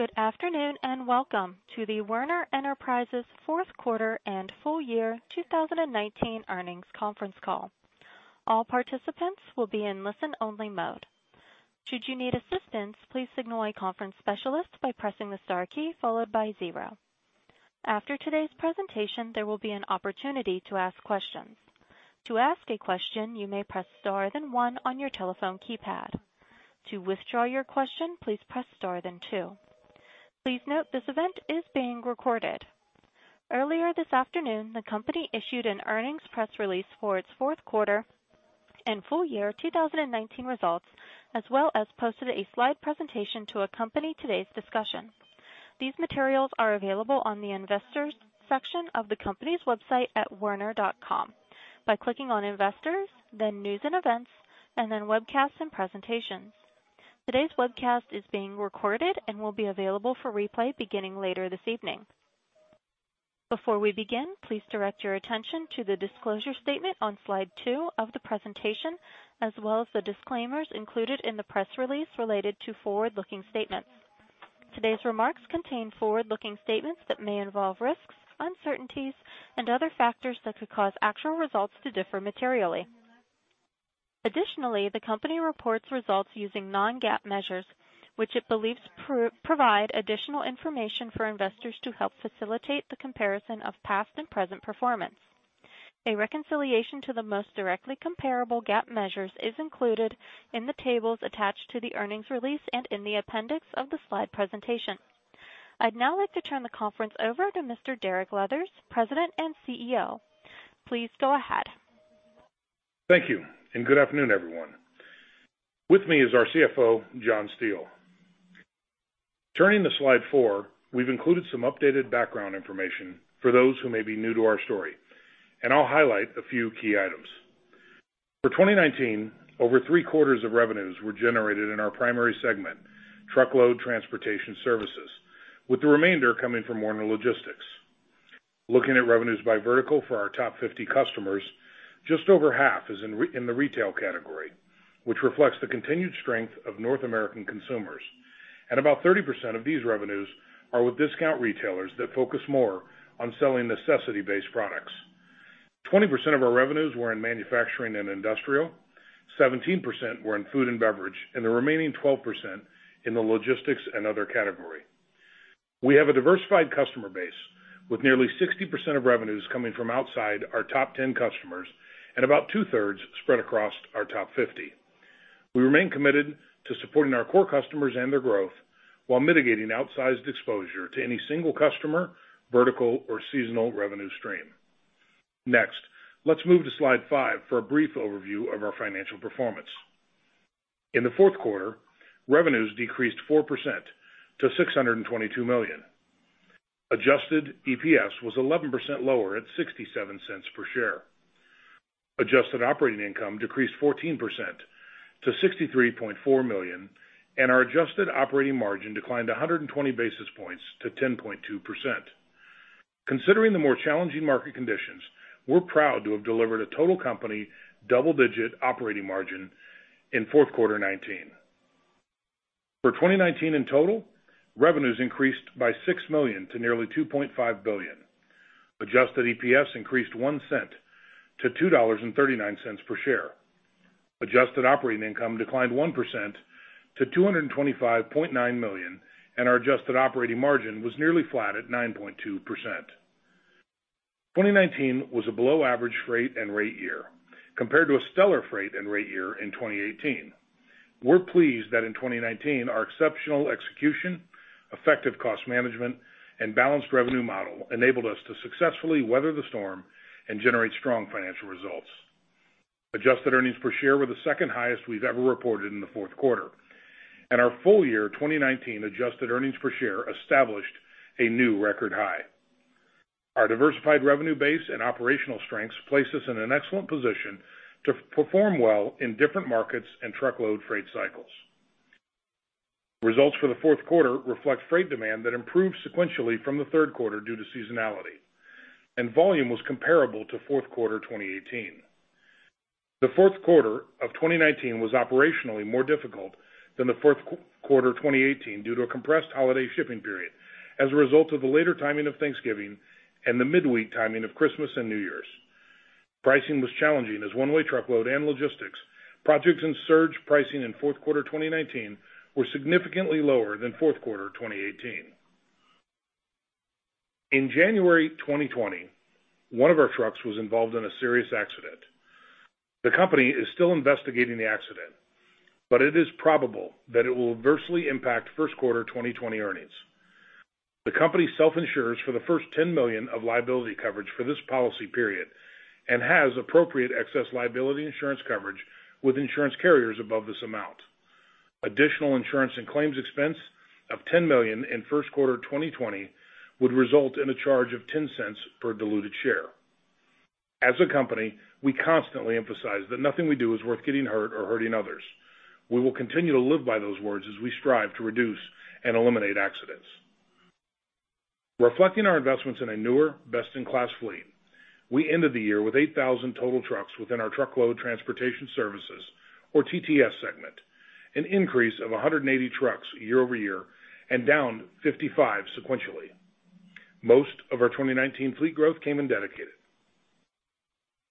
Good afternoon. Welcome to the Werner Enterprises fourth quarter and full year 2019 earnings conference call. All participants will be in listen-only mode. Should you need assistance, please signal a conference specialist by pressing the star key followed by zero. After today's presentation, there will be an opportunity to ask questions. To ask a question, you may press star then one on your telephone keypad. To withdraw your question, please press star then two. Please note this event is being recorded. Earlier this afternoon, the company issued an earnings press release for its fourth quarter and full year 2019 results, as well as posted a slide presentation to accompany today's discussion. These materials are available on the investors section of the company's website at werner.com by clicking on Investors, then News and Events, and then Webcasts and Presentations. Today's webcast is being recorded and will be available for replay beginning later this evening. Before we begin, please direct your attention to the disclosure statement on slide two of the presentation, as well as the disclaimers included in the press release related to forward-looking statements. Today's remarks contain forward-looking statements that may involve risks, uncertainties, and other factors that could cause actual results to differ materially. Additionally, the company reports results using non-GAAP measures, which it believes provide additional information for investors to help facilitate the comparison of past and present performance. A reconciliation to the most directly comparable GAAP measures is included in the tables attached to the earnings release and in the appendix of the slide presentation. I'd now like to turn the conference over to Mr. Derek Leathers, President and CEO. Please go ahead. Thank you, and good afternoon, everyone. With me is our CFO, John Steele. Turning to slide four, we've included some updated background information for those who may be new to our story, and I'll highlight a few key items. For 2019, over three-quarters of revenues were generated in our primary segment, Truckload Transportation Services, with the remainder coming from Werner Logistics. Looking at revenues by vertical for our top 50 customers, just over half is in the retail category, which reflects the continued strength of North American consumers, and about 30% of these revenues are with discount retailers that focus more on selling necessity-based products. 20% of our revenues were in manufacturing and industrial, 17% were in food and beverage, and the remaining 12% in the Logistics and other category. We have a diversified customer base, with nearly 60% of revenues coming from outside our top 10 customers and about two-thirds spread across our top 50. We remain committed to supporting our core customers and their growth while mitigating outsized exposure to any single customer, vertical, or seasonal revenue stream. Next, let's move to slide five for a brief overview of our financial performance. In the fourth quarter, revenues decreased 4% to $622 million. Adjusted EPS was 11% lower at $0.67 per share. Adjusted operating income decreased 14% to $63.4 million, and our adjusted operating margin declined 120 basis points to 10.2%. Considering the more challenging market conditions, we're proud to have delivered a total company double-digit operating margin in fourth quarter 2019. For 2019 in total, revenues increased by $6 million to nearly $2.5 billion. Adjusted EPS increased $0.01 to $2.39 per share. Adjusted operating income declined 1% to $225.9 million, and our adjusted operating margin was nearly flat at 9.2%. 2019 was a below average freight and rate year, compared to a stellar freight and rate year in 2018. We're pleased that in 2019, our exceptional execution, effective cost management, and balanced revenue model enabled us to successfully weather the storm and generate strong financial results. Adjusted earnings per share were the second highest we've ever reported in the fourth quarter. Our full year 2019 adjusted earnings per share established a new record high. Our diversified revenue base and operational strengths place us in an excellent position to perform well in different markets and truckload freight cycles. Results for the fourth quarter reflect freight demand that improved sequentially from the third quarter due to seasonality, and volume was comparable to fourth quarter 2018. The fourth quarter of 2019 was operationally more difficult than the fourth quarter 2018 due to a compressed holiday shipping period as a result of the later timing of Thanksgiving and the midweek timing of Christmas and New Year's. Pricing was challenging as One-Way Truckload and Logistics projects and surge pricing in fourth quarter 2019 were significantly lower than fourth quarter 2018. In January 2020, one of our trucks was involved in a serious accident. The company is still investigating the accident, but it is probable that it will adversely impact first quarter 2020 earnings. The company self-insures for the first $10 million of liability coverage for this policy period and has appropriate excess liability insurance coverage with insurance carriers above this amount. Additional insurance and claims expense of $10 million in first quarter 2020 would result in a charge of $0.10 per diluted share. As a company, we constantly emphasize that nothing we do is worth getting hurt or hurting others. We will continue to live by those words as we strive to reduce and eliminate accidents. Reflecting our investments in a newer best-in-class fleet, we ended the year with 8,000 total trucks within our Truckload Transportation Services, or TTS segment, an increase of 180 trucks year-over-year and down 55 sequentially. Most of our 2019 fleet growth came in Dedicated.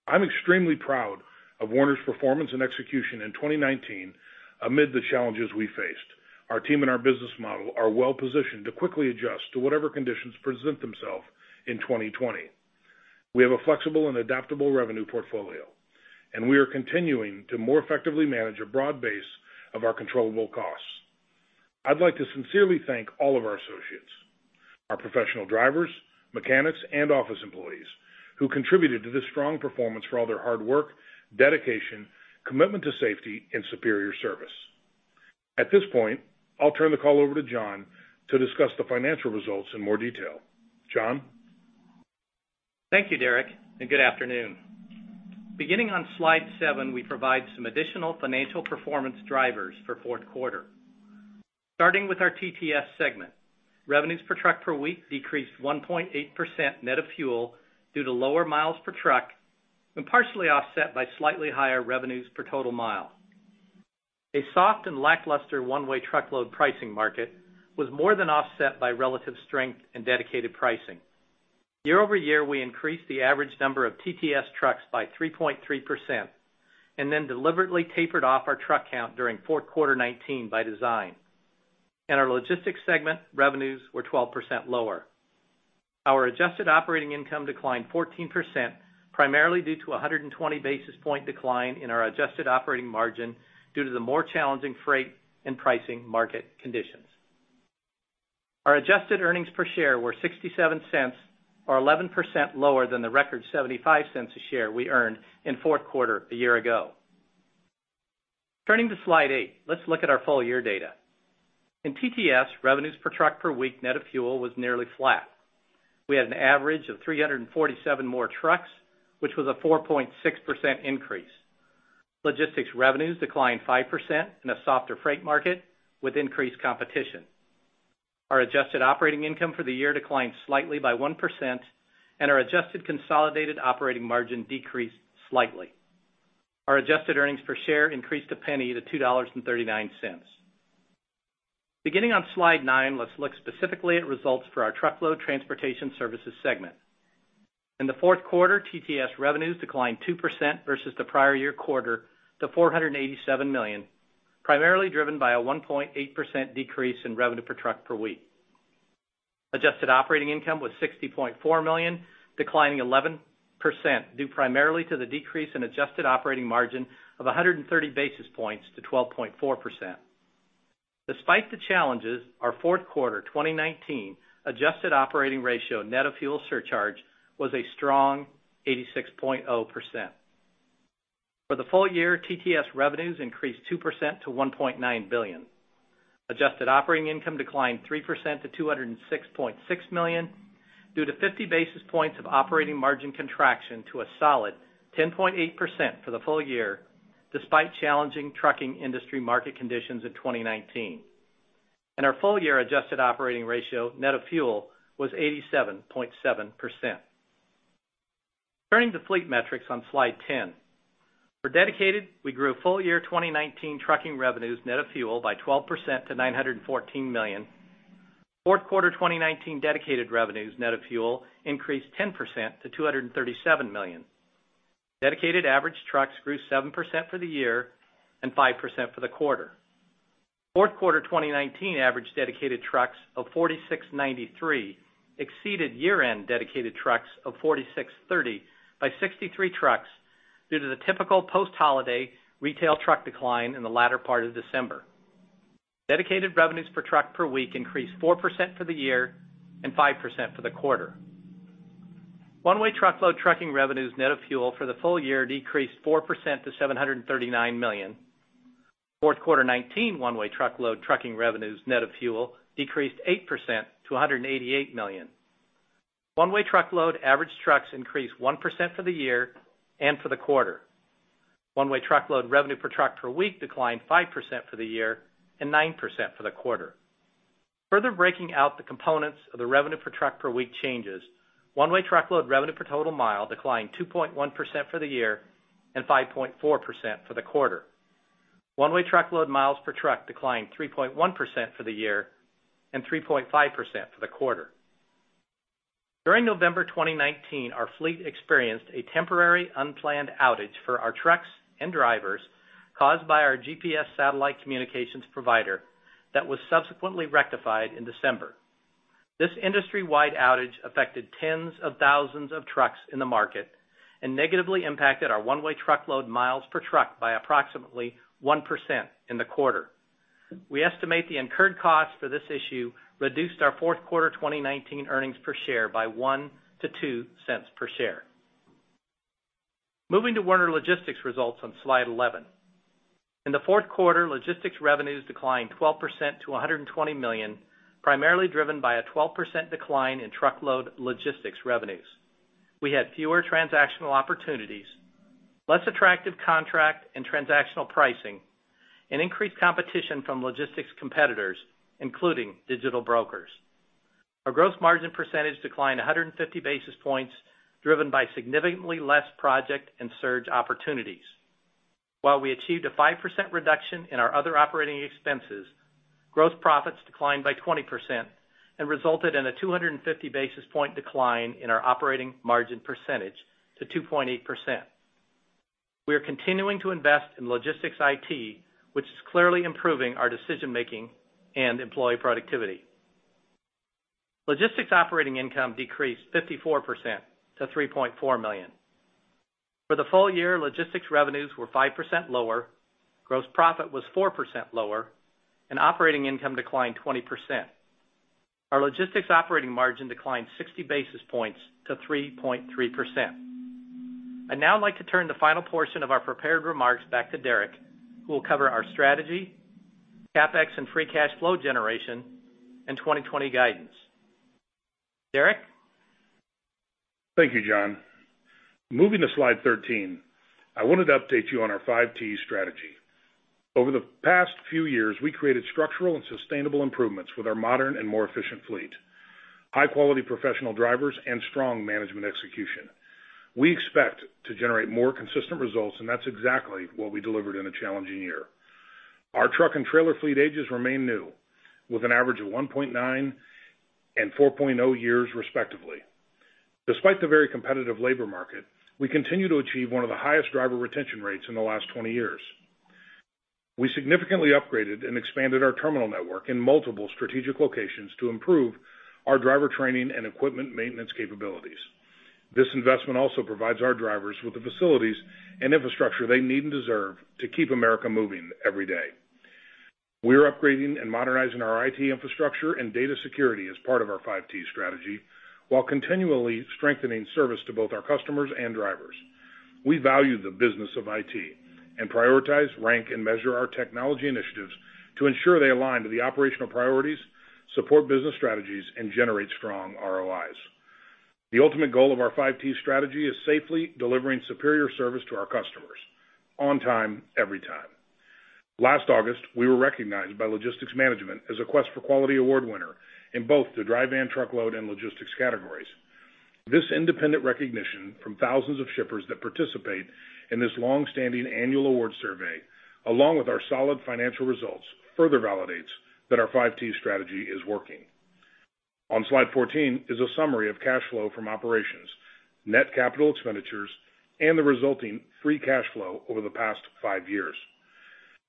I'm extremely proud of Werner's performance and execution in 2019, amid the challenges we faced. Our team and our business model are well-positioned to quickly adjust to whatever conditions present themselves in 2020. We have a flexible and adaptable revenue portfolio, and we are continuing to more effectively manage a broad base of our controllable costs. I'd like to sincerely thank all of our associates, our professional drivers, mechanics, and office employees, who contributed to this strong performance for all their hard work, dedication, commitment to safety, and superior service. At this point, I'll turn the call over to John to discuss the financial results in more detail. John? Thank you, Derek. Good afternoon. Beginning on slide seven, we provide some additional financial performance drivers for fourth quarter. Starting with our TTS segment, revenues per truck per week decreased 1.8% net of fuel due to lower miles per truck, and partially offset by slightly higher revenues per total mile. A soft and lackluster One-Way Truckload pricing market was more than offset by relative strength in Dedicated pricing. Year-over-year, we increased the average number of TTS trucks by 3.3% and then deliberately tapered off our truck count during fourth quarter 2019 by design. In our Logistics segment, revenues were 12% lower. Our adjusted operating income declined 14%, primarily due to 120 basis point decline in our adjusted operating margin due to the more challenging freight and pricing market conditions. Our adjusted earnings per share were $0.67, or 11% lower than the record $0.75 a share we earned in fourth quarter a year ago. Turning to slide eight, let's look at our full year data. In TTS, revenues per truck per week net of fuel was nearly flat. We had an average of 347 more trucks, which was a 4.6% increase. Logistics revenues declined 5% in a softer freight market with increased competition. Our adjusted operating income for the year declined slightly by 1%, and our adjusted consolidated operating margin decreased slightly. Our adjusted earnings per share increased $0.01 to $2.39. Beginning on slide nine, let's look specifically at results for our Truckload Transportation Services segment. In the fourth quarter, TTS revenues declined 2% versus the prior year quarter to $487 million, primarily driven by a 1.8% decrease in revenue per truck per week. Adjusted operating income was $60.4 million, declining 11%, due primarily to the decrease in adjusted operating margin of 130 basis points to 12.4%. Despite the challenges, our fourth quarter 2019 adjusted operating ratio net of fuel surcharge was a strong 86.0%. For the full year, TTS revenues increased 2% to $1.9 billion. Adjusted operating income declined 3% to $206.6 million due to 50 basis points of operating margin contraction to a solid 10.8% for the full year, despite challenging trucking industry market conditions in 2019. Our full year adjusted operating ratio net of fuel was 87.7%. Turning to fleet metrics on slide 10. For Dedicated, we grew full year 2019 trucking revenues net of fuel by 12% to $914 million. Fourth quarter 2019 Dedicated revenues net of fuel increased 10% to $237 million. Dedicated average trucks grew 7% for the year and 5% for the quarter. Fourth quarter 2019 average Dedicated trucks of 4,693 exceeded year-end Dedicated trucks of 4,630 by 63 trucks due to the typical post-holiday retail truck decline in the latter part of December. Dedicated revenues per truck per week increased 4% for the year and 5% for the quarter. One-Way Tuckload trucking revenues net of fuel for the full year decreased 4% to $739 million. Fourth quarter 2019 One-Way Truckload trucking revenues net of fuel decreased 8% to $188 million. One-Way Truckload average trucks increased 1% for the year and for the quarter. One-Way Truckload revenue per truck per week declined 5% for the year and 9% for the quarter. Further breaking out the components of the revenue per truck per week changes, One-Way Truckload revenue per total mile declined 2.1% for the year and 5.4% for the quarter. One-Way Truckload miles per truck declined 3.1% for the year and 3.5% for the quarter. During November 2019, our fleet experienced a temporary unplanned outage for our trucks and drivers caused by our GPS satellite communications provider that was subsequently rectified in December. This industry-wide outage affected tens of thousands of trucks in the market and negatively impacted our One-Way Truckload miles per truck by approximately 1% in the quarter. We estimate the incurred costs for this issue reduced our fourth-quarter 2019 earnings per share by $0.01-$0.02 per share. Moving to Werner Logistics results on slide 11. In the fourth quarter, Logistics revenues declined 12% to $120 million, primarily driven by a 12% decline in Truckload Logistics revenues. We had fewer transactional opportunities. Less attractive contract and transactional pricing and increased competition from logistics competitors, including digital brokers. Our gross margin percentage declined 150 basis points, driven by significantly less project and surge opportunities. While we achieved a 5% reduction in our other operating expenses, gross profits declined by 20% and resulted in a 250 basis point decline in our operating margin percentage to 2.8%. We are continuing to invest in Logistics IT, which is clearly improving our decision making and employee productivity. Logistics operating income decreased 54% to $3.4 million. For the full year, Logistics revenues were 5% lower, gross profit was 4% lower, and operating income declined 20%. Our Logistics operating margin declined 60 basis points to 3.3%. I'd now like to turn the final portion of our prepared remarks back to Derek, who will cover our strategy, CapEx and free cash flow generation, and 2020 guidance. Derek? Thank you, John. Moving to slide 13, I wanted to update you on our 5Ts strategy. Over the past few years, we created structural and sustainable improvements with our modern and more efficient fleet, high-quality professional drivers, and strong management execution. We expect to generate more consistent results, and that's exactly what we delivered in a challenging year. Our truck and trailer fleet ages remain new, with an average of 1.9 and 4.0 years respectively. Despite the very competitive labor market, we continue to achieve one of the highest driver retention rates in the last 20 years. We significantly upgraded and expanded our terminal network in multiple strategic locations to improve our driver training and equipment maintenance capabilities. This investment also provides our drivers with the facilities and infrastructure they need and deserve to keep America moving every day. We are upgrading and modernizing our IT infrastructure and data security as part of our 5Ts strategy while continually strengthening service to both our customers and drivers. We value the business of IT and prioritize, rank, and measure our technology initiatives to ensure they align to the operational priorities, support business strategies, and generate strong ROIs. The ultimate goal of our 5Ts strategy is safely delivering superior service to our customers, on time, every time. Last August, we were recognized by Logistics Management as a Quest for Quality Award winner in both the dry van Truckload and Logistics categories. This independent recognition from thousands of shippers that participate in this long-standing annual award survey, along with our solid financial results, further validates that our 5Ts strategy is working. On slide 14 is a summary of cash flow from operations, net CapEx, and the resulting free cash flow over the past five years.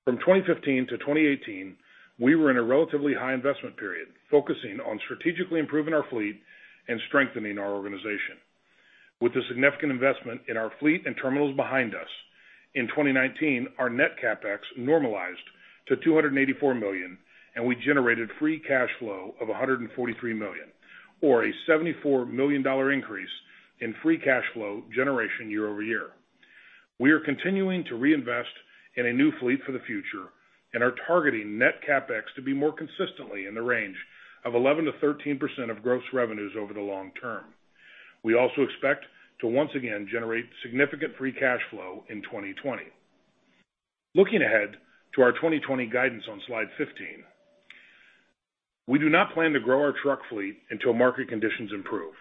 From 2015 to 2018, we were in a relatively high investment period, focusing on strategically improving our fleet and strengthening our organization. With the significant investment in our fleet and terminals behind us, in 2019, our net CapEx normalized to $284 million, and we generated free cash flow of $143 million, or a $74 million increase in free cash flow generation year-over-year. We are continuing to reinvest in a new fleet for the future and are targeting net CapEx to be more consistently in the range of 11%-13% of gross revenues over the long term. We also expect to once again generate significant free cash flow in 2020. Looking ahead to our 2020 guidance on slide 15, we do not plan to grow our truck fleet until market conditions improve.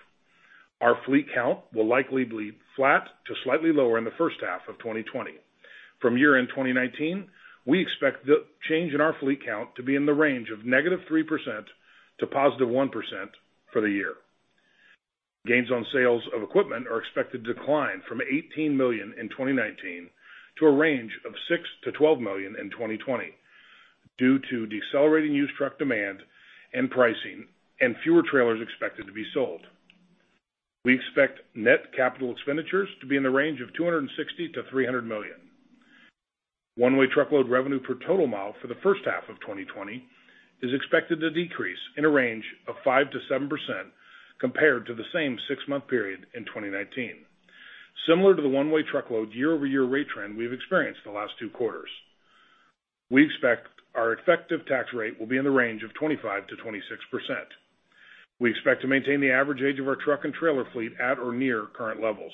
Our fleet count will likely be flat to slightly lower in the first half of 2020. From year-end 2019, we expect the change in our fleet count to be in the range of -3%-1% for the year. Gains on sales of equipment are expected to decline from $18 million in 2019 to a range of $6 million-$12 million in 2020 due to decelerating used truck demand and pricing and fewer trailers expected to be sold. We expect net capital expenditures to be in the range of $260 million-$300 million. One-Way Truckload revenue per total mile for the first half of 2020 is expected to decrease in a range of 5%-7% compared to the same six-month period in 2019. Similar to the One-Way Truckload year-over-year rate trend we've experienced in the last two quarters. We expect our effective tax rate will be in the range of 25%-26%. We expect to maintain the average age of our truck and trailer fleet at or near current levels.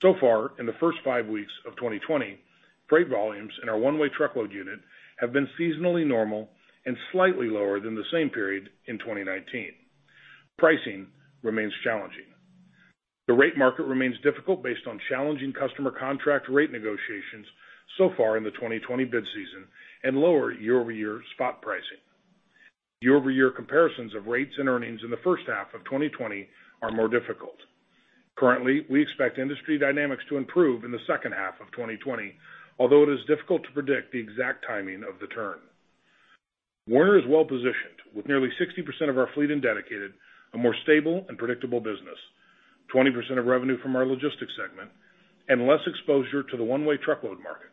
So far, in the first five weeks of 2020, freight volumes in our One-Way Truckload unit have been seasonally normal and slightly lower than the same period in 2019. Pricing remains challenging. The rate market remains difficult based on challenging customer contract rate negotiations so far in the 2020 bid season and lower year-over-year spot pricing. Year-over-year comparisons of rates and earnings in the first half of 2020 are more difficult. Currently, we expect industry dynamics to improve in the second half of 2020, although it is difficult to predict the exact timing of the turn. Werner is well-positioned, with nearly 60% of our fleet in Dedicated, a more stable and predictable business, 20% of revenue from our Logistics segment, and less exposure to the One-Way Truckload market.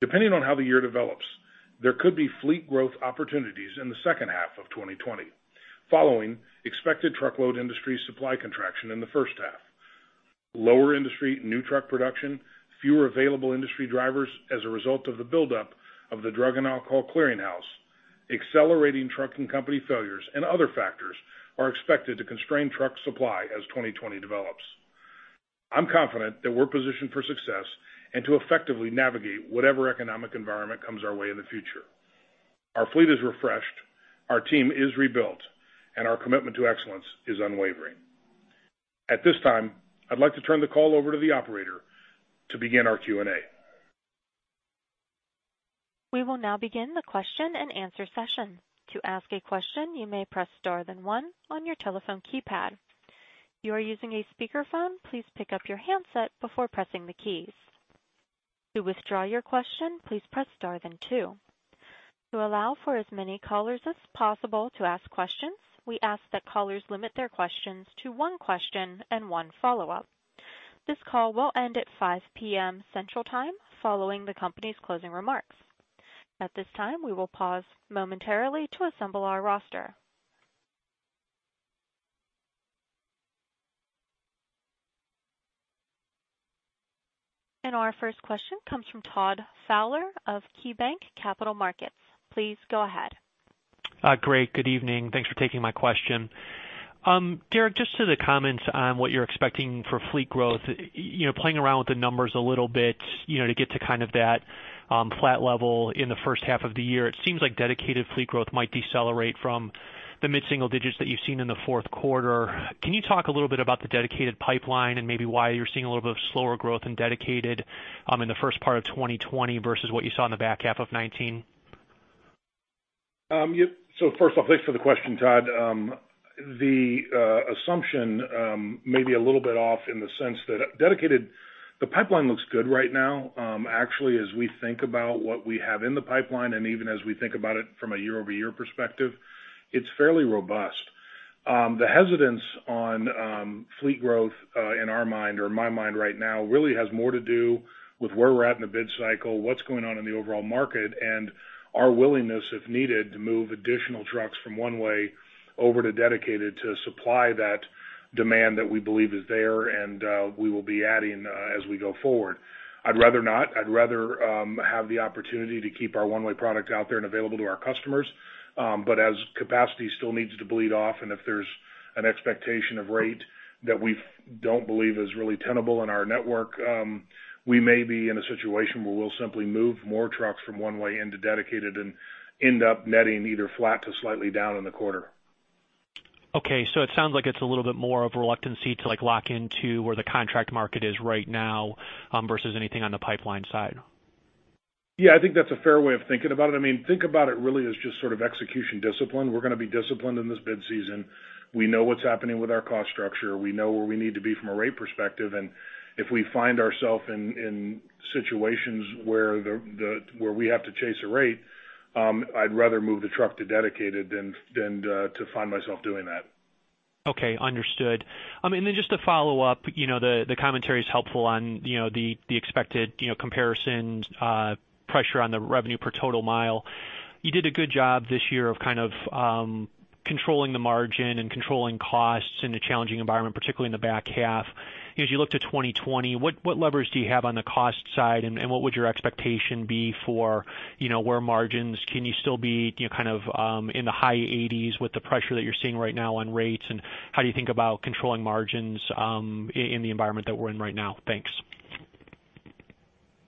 Depending on how the year develops, there could be fleet growth opportunities in the second half of 2020 following expected truckload industry supply contraction in the first half. Lower industry new truck production, fewer available industry drivers as a result of the buildup of the Drug and Alcohol Clearinghouse, Accelerating trucking company failures and other factors are expected to constrain truck supply as 2020 develops. I'm confident that we're positioned for success and to effectively navigate whatever economic environment comes our way in the future. Our fleet is refreshed, our team is rebuilt, and our commitment to excellence is unwavering. At this time, I'd like to turn the call over to the operator to begin our Q&A. We will now begin the question and answer session. To ask a question, you may press star then one on your telephone keypad. If you are using a speakerphone, please pick up your handset before pressing the keys. To withdraw your question, please press star then two. To allow for as many callers as possible to ask questions, we ask that callers limit their questions to one question and one follow-up. This call will end at 5:00 P.M. Central Time following the company's closing remarks. At this time, we will pause momentarily to assemble our roster. Our first question comes from Todd Fowler of KeyBanc Capital Markets. Please go ahead. Great. Good evening. Thanks for taking my question. Derek, just to the comments on what you're expecting for fleet growth, playing around with the numbers a little bit to get to that flat level in the first half of the year, it seems like Dedicated fleet growth might decelerate from the mid-single digits that you've seen in the fourth quarter. Can you talk a little bit about the Dedicated pipeline and maybe why you're seeing a little bit of slower growth in Dedicated in the first part of 2020 versus what you saw in the back half of 2019? First off, thanks for the question, Todd. The assumption may be a little bit off in the sense that Dedicated, the pipeline looks good right now. Actually, as we think about what we have in the pipeline, and even as we think about it from a year-over-year perspective, it's fairly robust. The hesitance on fleet growth in our mind or my mind right now really has more to do with where we're at in the bid cycle, what's going on in the overall market, and our willingness, if needed, to move additional trucks from One-Way over to Dedicated to supply that demand that we believe is there and we will be adding as we go forward. I'd rather not. I'd rather have the opportunity to keep our One-Way product out there and available to our customers. As capacity still needs to bleed off, and if there's an expectation of rate that we don't believe is really tenable in our network, we may be in a situation where we'll simply move more trucks from One-Way into Dedicated and end up netting either flat to slightly down in the quarter. Okay, it sounds like it's a little bit more of reluctancy to lock into where the contract market is right now versus anything on the pipeline side. Yeah, I think that's a fair way of thinking about it. Think about it really as just sort of execution discipline. We're going to be disciplined in this bid season. We know what's happening with our cost structure. We know where we need to be from a rate perspective, and if we find ourself in situations where we have to chase a rate, I'd rather move the truck to Dedicated than to find myself doing that. Okay, understood. Just to follow up, the commentary is helpful on the expected comparison pressure on the revenue per total mile. You did a good job this year of controlling the margin and controlling costs in a challenging environment, particularly in the back half. As you look to 2020, what levers do you have on the cost side, and what would your expectation be for where margins, can you still be in the high 80%s with the pressure that you're seeing right now on rates, and how do you think about controlling margins in the environment that we're in right now? Thanks.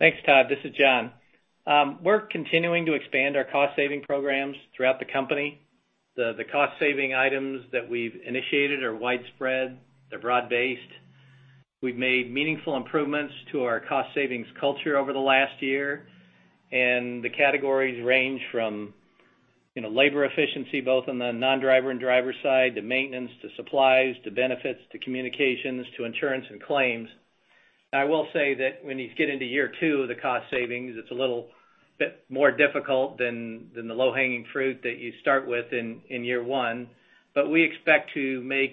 Thanks, Todd. This is John. We're continuing to expand our cost-saving programs throughout the company. The cost-saving items that we've initiated are widespread. They're broad-based. We've made meaningful improvements to our cost savings culture over the last year, and the categories range from labor efficiency, both on the non-driver and driver side, to maintenance, to supplies, to benefits, to communications, to insurance and claims. I will say that when you get into year two of the cost savings, it's a little bit more difficult than the low-hanging fruit that you start with in year one. We expect to make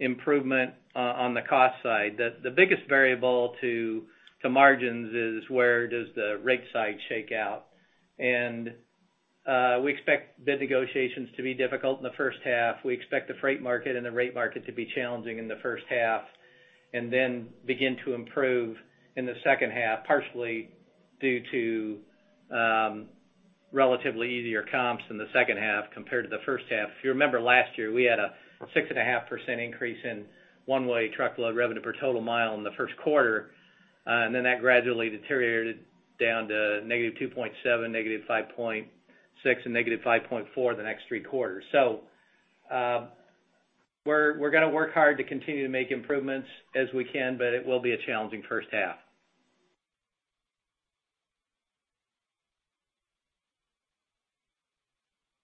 improvement on the cost side. The biggest variable to margins is where does the rate side shake out? We expect the negotiations to be difficult in the first half. We expect the freight market and the rate market to be challenging in the first half and then begin to improve in the second half, partially due to relatively easier comps in the second half compared to the first half. If you remember last year, we had a 6.5% increase in One-Way Truckload revenue per total mile in the first quarter, and then that gradually deteriorated down to -2.7%, -5.6%, and -5.4% the next three quarters. We're going to work hard to continue to make improvements as we can, but it will be a challenging first half.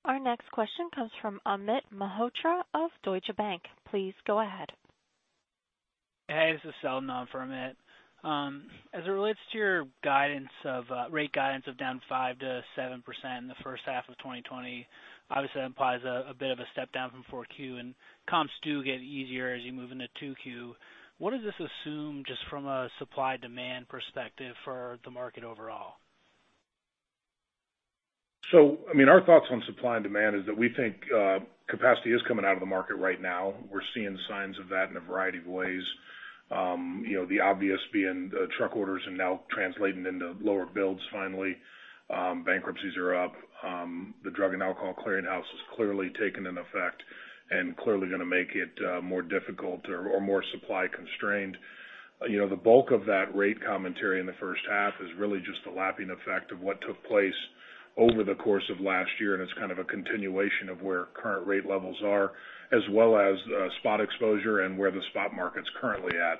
Our next question comes from Amit Mehrotra of Deutsche Bank. Please go ahead. Hey, this is [Sel], not Amit. As it relates to your rate guidance of down 5%-7% in the first half of 2020, obviously that implies a bit of a step down from 4Q, and comps do get easier as you move into 2Q. What does this assume just from a supply-demand perspective for the market overall? Our thoughts on supply and demand is that we think capacity is coming out of the market right now. We're seeing signs of that in a variety of ways. The obvious being the truck orders are now translating into lower builds finally. Bankruptcies are up. The Drug and Alcohol Clearinghouse has clearly taken an effect and clearly going to make it more difficult or more supply constrained. The bulk of that rate commentary in the first half is really just the lapping effect of what took place over the course of last year, and it's kind of a continuation of where current rate levels are, as well as spot exposure and where the spot market's currently at.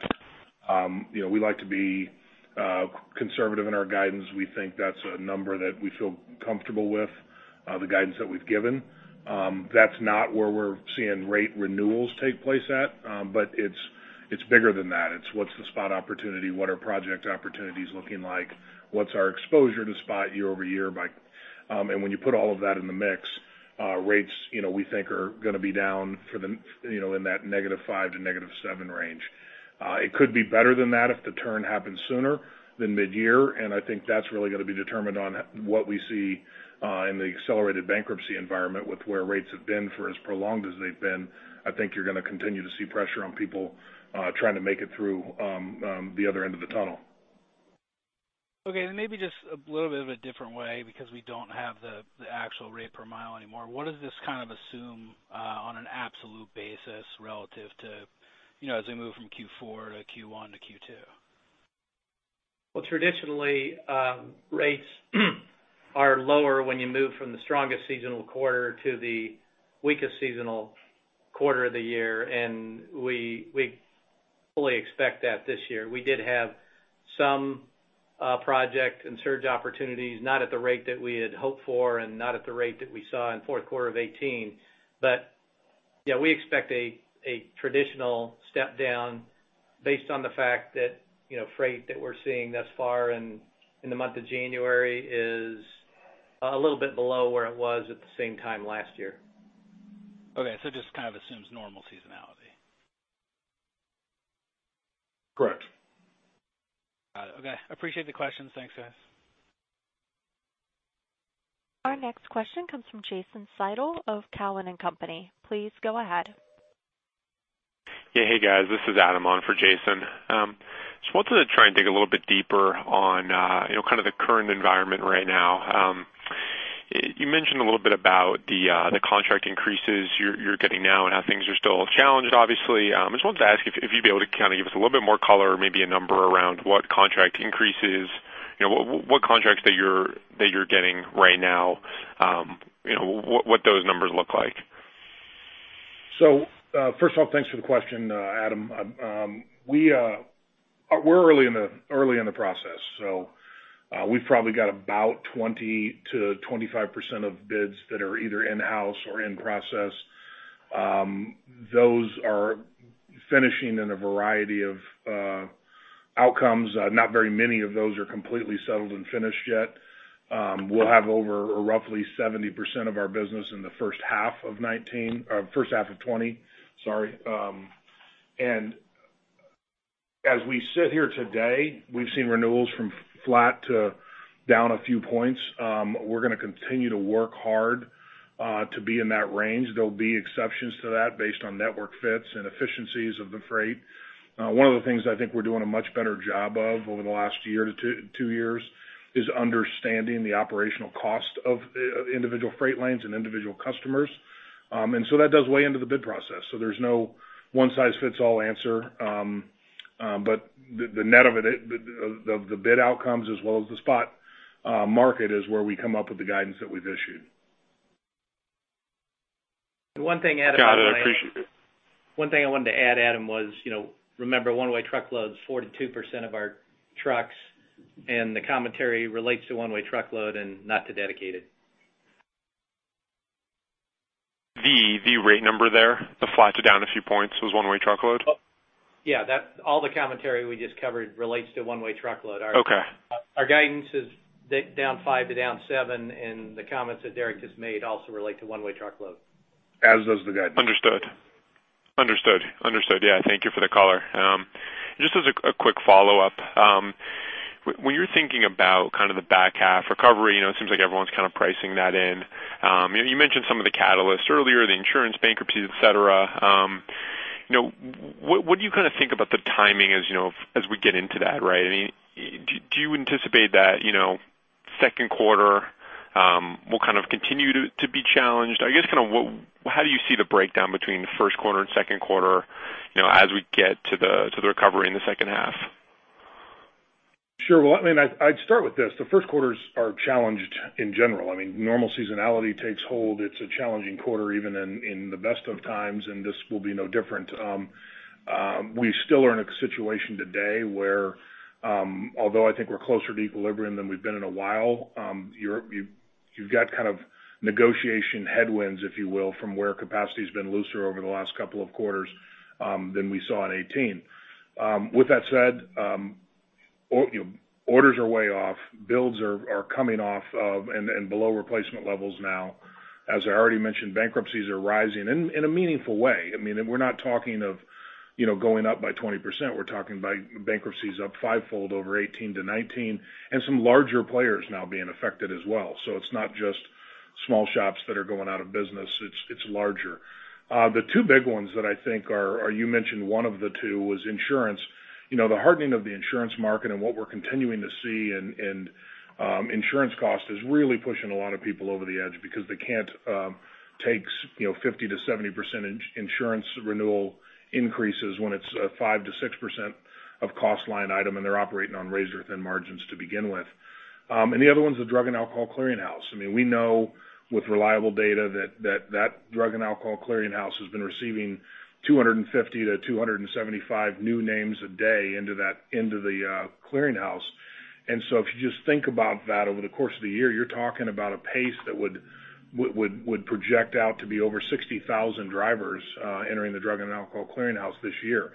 We like to be conservative in our guidance. We think that's a number that we feel comfortable with, the guidance that we've given. That's not where we're seeing rate renewals take place at. It's bigger than that. It's what's the spot opportunity? What are project opportunities looking like? What's our exposure to spot year-over-year by? When you put all of that in the mix, rates, we think, are going to be down in that -5% to -7% range. It could be better than that if the turn happens sooner than mid-year. I think that's really going to be determined on what we see in the accelerated bankruptcy environment with where rates have been for as prolonged as they've been. I think you're going to continue to see pressure on people trying to make it through the other end of the tunnel. Okay, maybe just a little bit of a different way because we don't have the actual rate per mile anymore. What does this kind of assume on an absolute basis relative to as we move from Q4 to Q1 to Q2? Well, traditionally, rates are lower when you move from the strongest seasonal quarter to the weakest seasonal quarter of the year, and we fully expect that this year. We did have some project and surge opportunities, not at the rate that we had hoped for and not at the rate that we saw in fourth quarter of 2018. We expect a traditional step down based on the fact that freight that we're seeing thus far in the month of January is a little bit below where it was at the same time last year. Okay, it just kind of assumes normal seasonality. Correct. Got it. Okay. Appreciate the questions. Thanks, guys. Our next question comes from Jason Seidl of Cowen and Company. Please go ahead. Yeah. Hey guys, this is Adam on for Jason. Just wanted to try and dig a little bit deeper on kind of the current environment right now. You mentioned a little bit about the contract increases you're getting now and how things are still challenged, obviously. I just wanted to ask if you'd be able to kind of give us a little bit more color or maybe a number around what contract increases, what contracts that you're getting right now, what those numbers look like? First of all, thanks for the question, Adam. We're early in the process, so we've probably got about 20%-25% of bids that are either in-house or in process. Those are finishing in a variety of outcomes. Not very many of those are completely settled and finished yet. We'll have over roughly 70% of our business in the first half of 2020. As we sit here today, we've seen renewals from flat to down a few points. We're going to continue to work hard to be in that range. There'll be exceptions to that based on network fits and efficiencies of the freight. One of the things I think we're doing a much better job of over the last year to two years is understanding the operational cost of individual freight lanes and individual customers. That does weigh into the bid process. There's no one-size-fits-all answer. The net of the bid outcomes as well as the spot market is where we come up with the guidance that we've issued. The one thing, Adam, Got it. Appreciate it. One thing I wanted to add, Adam, was remember One-Way Truckload is 42% of our trucks, and the commentary relates to One-Way Truckload and not to Dedicated. The rate number there, the flat to down a few points was One-Way Truckload? All the commentary we just covered relates to One-Way Truckload. Okay. Our guidance is down 5% to down 7%, and the comments that Derek just made also relate to One-Way Truckload. As does the guidance. Understood. Yeah. Thank you for the color. Just as a quick follow-up. When you're thinking about kind of the back half recovery, it seems like everyone's kind of pricing that in. You mentioned some of the catalysts earlier, the insurance, bankruptcies, et cetera. What do you kind of think about the timing as we get into that? Do you anticipate that second quarter will kind of continue to be challenged? I guess kind of how do you see the breakdown between the first quarter and second quarter as we get to the recovery in the second half? Sure. Well, I'd start with this. The first quarters are challenged in general. Normal seasonality takes hold. It's a challenging quarter even in the best of times, and this will be no different. We still are in a situation today where although I think we're closer to equilibrium than we've been in a while, you've got kind of negotiation headwinds, if you will, from where capacity has been looser over the last couple of quarters than we saw in 2018. With that said, orders are way off. Builds are coming off of and below replacement levels now. As I already mentioned, bankruptcies are rising in a meaningful way. We're not talking of going up by 20%. We're talking about bankruptcies up fivefold over 2018 to 2019, and some larger players now being affected as well. It's not just small shops that are going out of business, it's larger. The two big ones that I think, you mentioned one of the two was insurance. The hardening of the insurance market and what we're continuing to see in insurance cost is really pushing a lot of people over the edge because they can't take 50%-70% insurance renewal increases when it's 5%-6% of cost line item, and they're operating on razor-thin margins to begin with. The other one's the Drug and Alcohol Clearinghouse. We know with reliable data that the Drug and Alcohol Clearinghouse has been receiving 250-275 new names a day into the Clearinghouse. If you just think about that over the course of the year, you're talking about a pace that would project out to be over 60,000 drivers entering the Drug and Alcohol Clearinghouse this year.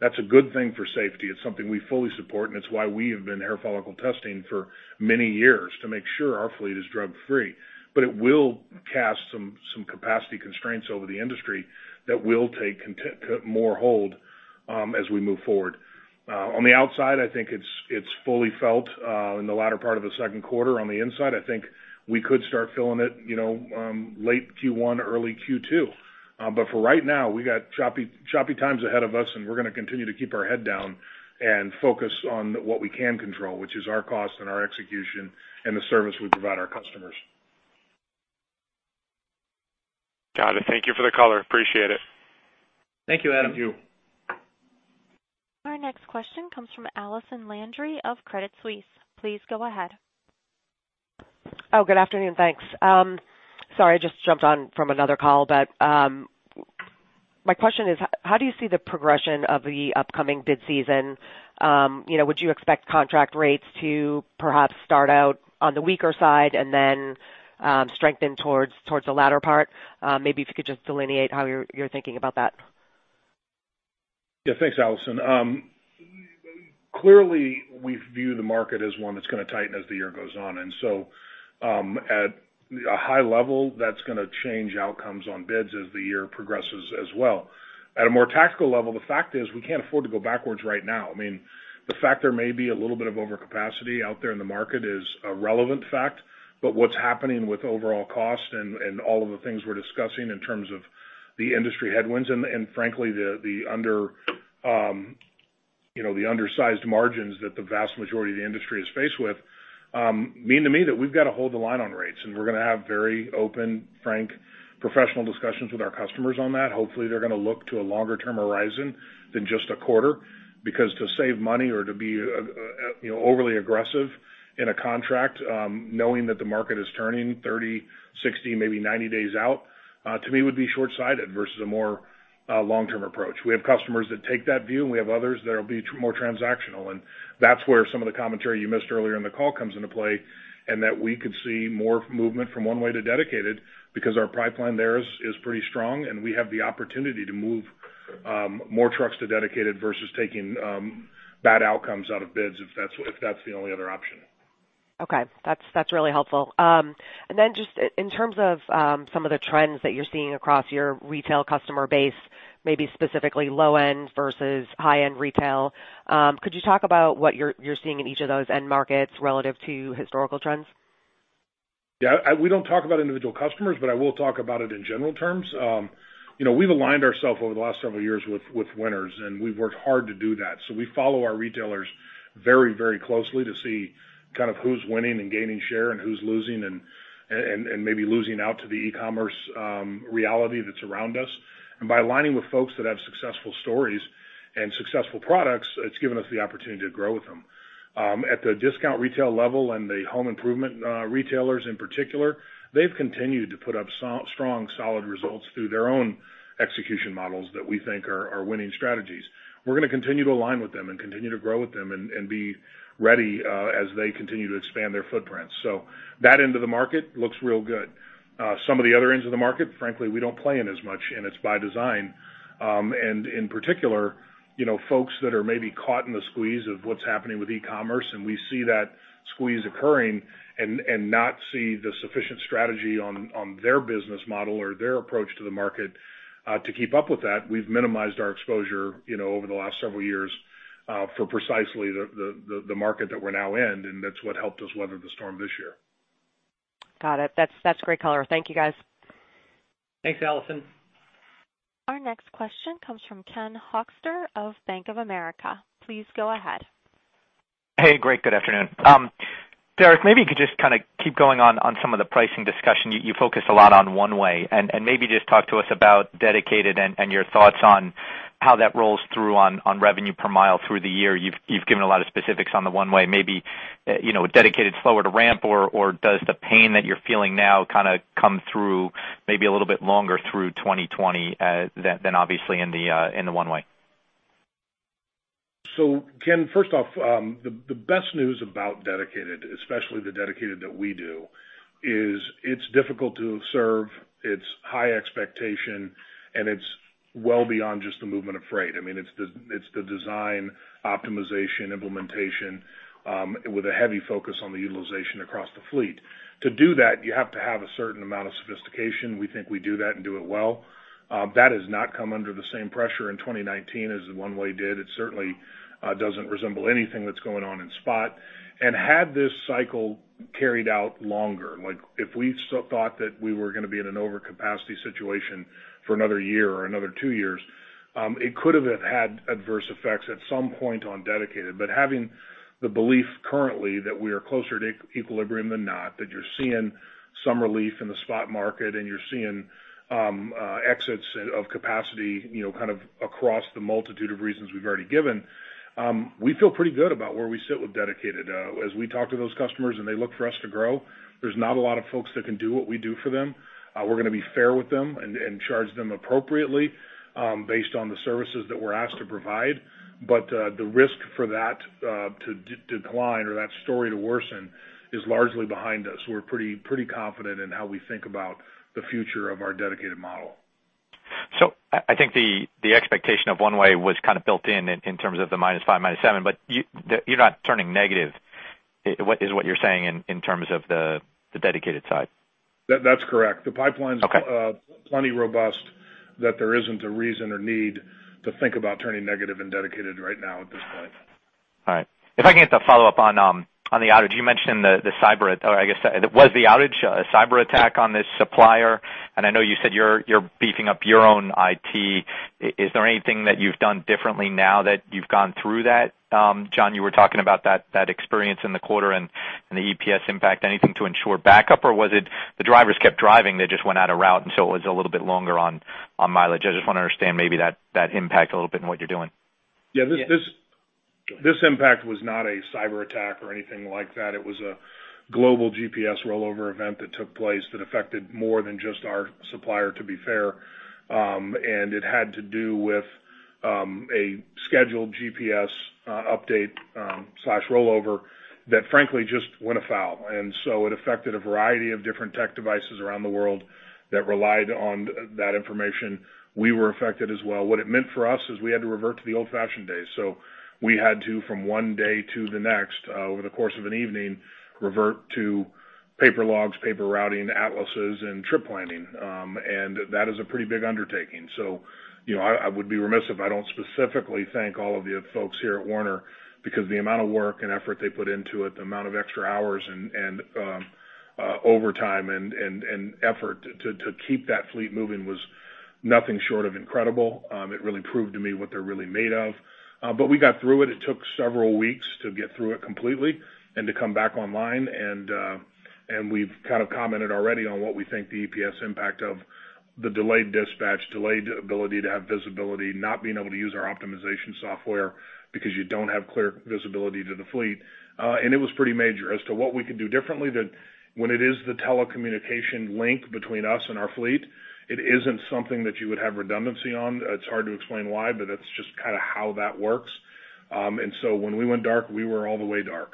That's a good thing for safety. It's something we fully support, and it's why we have been hair follicle testing for many years to make sure our fleet is drug-free. It will cast some capacity constraints over the industry that will take more hold as we move forward. On the outside, I think it's fully felt in the latter part of the second quarter. On the inside, I think we could start feeling it late Q1, early Q2. For right now, we got choppy times ahead of us, and we're going to continue to keep our head down and focus on what we can control, which is our cost and our execution and the service we provide our customers. Got it. Thank you for the color. Appreciate it. Thank you, Adam. Thank you. Our next question comes from Allison Landry of Credit Suisse. Please go ahead. Oh, good afternoon. Thanks. Sorry, I just jumped on from another call. My question is, how do you see the progression of the upcoming bid season? Would you expect contract rates to perhaps start out on the weaker side and then strengthen towards the latter part? Maybe if you could just delineate how you're thinking about that. Yeah, thanks, Allison. Clearly we view the market as one that's going to tighten as the year goes on. At a high level, that's going to change outcomes on bids as the year progresses as well. At a more tactical level, the fact is we can't afford to go backwards right now. The fact there may be a little bit of overcapacity out there in the market is a relevant fact. What's happening with overall cost and all of the things we're discussing in terms of the industry headwinds and frankly the undersized margins that the vast majority of the industry is faced with, mean to me that we've got to hold the line on rates, and we're going to have very open, frank, professional discussions with our customers on that. Hopefully they're going to look to a longer-term horizon than just a quarter because to save money or to be overly aggressive in a contract knowing that the market is turning 30, 60, maybe 90 days out, to me would be shortsighted versus a more long-term approach. We have customers that take that view, and we have others that will be more transactional. That's where some of the commentary you missed earlier in the call comes into play, and that we could see more movement from One-Way to Dedicated because our pipeline there is pretty strong, and we have the opportunity to move more trucks to Dedicated versus taking bad outcomes out of bids if that's the only other option. Okay. That's really helpful. Then just in terms of some of the trends that you're seeing across your retail customer base, maybe specifically low-end versus high-end retail, could you talk about what you're seeing in each of those end markets relative to historical trends? Yeah. We don't talk about individual customers, but I will talk about it in general terms. We've aligned ourselves over the last several years with winners, and we've worked hard to do that. We follow our retailers very closely to see who's winning and gaining share and who's losing and maybe losing out to the e-commerce reality that's around us. By aligning with folks that have successful stories and successful products, it's given us the opportunity to grow with them. At the discount retail level and the home improvement retailers in particular, they've continued to put up strong, solid results through their own execution models that we think are winning strategies. We're going to continue to align with them and continue to grow with them and be ready as they continue to expand their footprint. That end of the market looks real good. Some of the other ends of the market, frankly, we don't play in as much, and it's by design. In particular, folks that are maybe caught in the squeeze of what's happening with e-commerce, and we see that squeeze occurring and not see the sufficient strategy on their business model or their approach to the market to keep up with that. We've minimized our exposure over the last several years for precisely the market that we're now in, and that's what helped us weather the storm this year. Got it. That's great color. Thank you, guys. Thanks, Allison. Our next question comes from Ken Hoexter of Bank of America. Please go ahead. Hey, great. Good afternoon. Derek, maybe you could just keep going on some of the pricing discussion. You focus a lot on One-Way, and maybe just talk to us about Dedicated and your thoughts on how that rolls through on revenue per mile through the year. You've given a lot of specifics on the One-Way. Maybe Dedicated is slower to ramp, or does the pain that you're feeling now come through maybe a little bit longer through 2020 than obviously in the One-Way? Ken, first off, the best news about Dedicated, especially the Dedicated that we do, is it's difficult to serve, it's high expectation, and it's well beyond just the movement of freight. It's the design optimization implementation with a heavy focus on the utilization across the fleet. To do that, you have to have a certain amount of sophistication. We think we do that and do it well. That has not come under the same pressure in 2019 as the One-Way did. It certainly doesn't resemble anything that's going on in spot. Had this cycle carried out longer, like if we still thought that we were going to be in an overcapacity situation for another year or another two years, it could have had adverse effects at some point on Dedicated. Having the belief currently that we are closer to equilibrium than not, that you're seeing some relief in the spot market and you're seeing exits of capacity, kind of across the multitude of reasons we've already given, we feel pretty good about where we sit with Dedicated. As we talk to those customers and they look for us to grow, there's not a lot of folks that can do what we do for them. We're going to be fair with them and charge them appropriately based on the services that we're asked to provide. The risk for that to decline or that story to worsen is largely behind us. We're pretty confident in how we think about the future of our Dedicated model. I think the expectation of One-Way was kind of built in terms of the -5%, -7%, but you're not turning negative, is what you're saying in terms of the Dedicated side. That's correct. Okay. The pipeline's plenty robust that there isn't a reason or need to think about turning negative in Dedicated right now at this point. All right. If I can get the follow-up on the outage. You mentioned the cyber, or I guess, was the outage a cyber attack on this supplier? I know you said you're beefing up your own IT. Is there anything that you've done differently now that you've gone through that? John, you were talking about that experience in the quarter and the EPS impact. Anything to ensure backup, or was it the drivers kept driving, they just went out of route, and so it was a little bit longer on mileage? I just want to understand maybe that impact a little bit and what you're doing. Yeah. This impact was not a cyber attack or anything like that. It was a global GPS rollover event that took place that affected more than just our supplier, to be fair. It had to do with a scheduled GPS update/rollover that frankly just went afoul. It affected a variety of different tech devices around the world that relied on that information. We were affected as well. What it meant for us is we had to revert to the old-fashioned days. We had to, from one day to the next, over the course of an evening, revert to paper logs, paper routing, atlases, and trip planning. That is a pretty big undertaking. I would be remiss if I don't specifically thank all of the folks here at Werner, because the amount of work and effort they put into it, the amount of extra hours and overtime and effort to keep that fleet moving was nothing short of incredible. It really proved to me what they're really made of. We got through it. It took several weeks to get through it completely and to come back online, and we've kind of commented already on what we think the EPS impact of the delayed dispatch, delayed ability to have visibility, not being able to use our optimization software because you don't have clear visibility to the fleet. It was pretty major. As to what we could do differently, when it is the telecommunication link between us and our fleet, it isn't something that you would have redundancy on. It's hard to explain why, but it's just kind of how that works. When we went dark, we were all the way dark.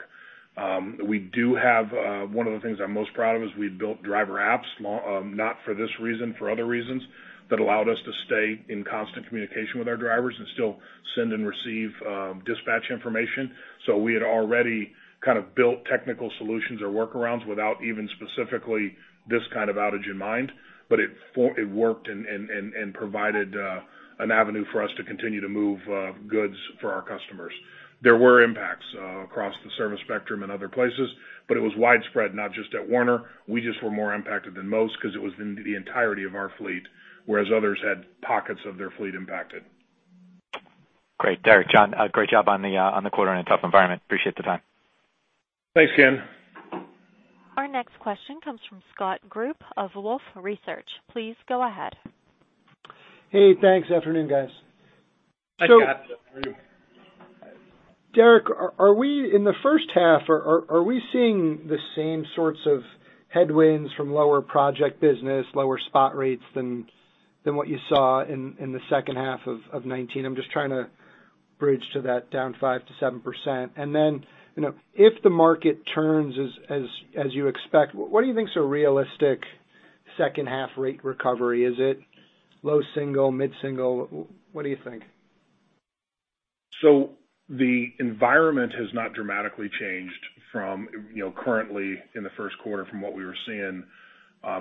One of the things I'm most proud of is we built driver apps, not for this reason, for other reasons, that allowed us to stay in constant communication with our drivers and still send and receive dispatch information. We had already kind of built technical solutions or workarounds without even specifically this kind of outage in mind. It worked and provided an avenue for us to continue to move goods for our customers. There were impacts across the service spectrum in other places, but it was widespread, not just at Werner. We just were more impacted than most because it was the entirety of our fleet, whereas others had pockets of their fleet impacted. Great. Derek, John, great job on the quarter in a tough environment. Appreciate the time. Thanks, Ken. Our next question comes from Scott Group of Wolfe Research. Please go ahead. Hey, thanks. Afternoon, guys. Hi, Scott. How are you? Derek, in the first half, are we seeing the same sorts of headwinds from lower project business, lower spot rates than what you saw in the second half of 2019? I'm just trying to bridge to that down 5%-7%. If the market turns as you expect, what do you think is a realistic second half rate recovery? Is it low single, mid-single? What do you think? The environment has not dramatically changed from currently in the first quarter from what we were seeing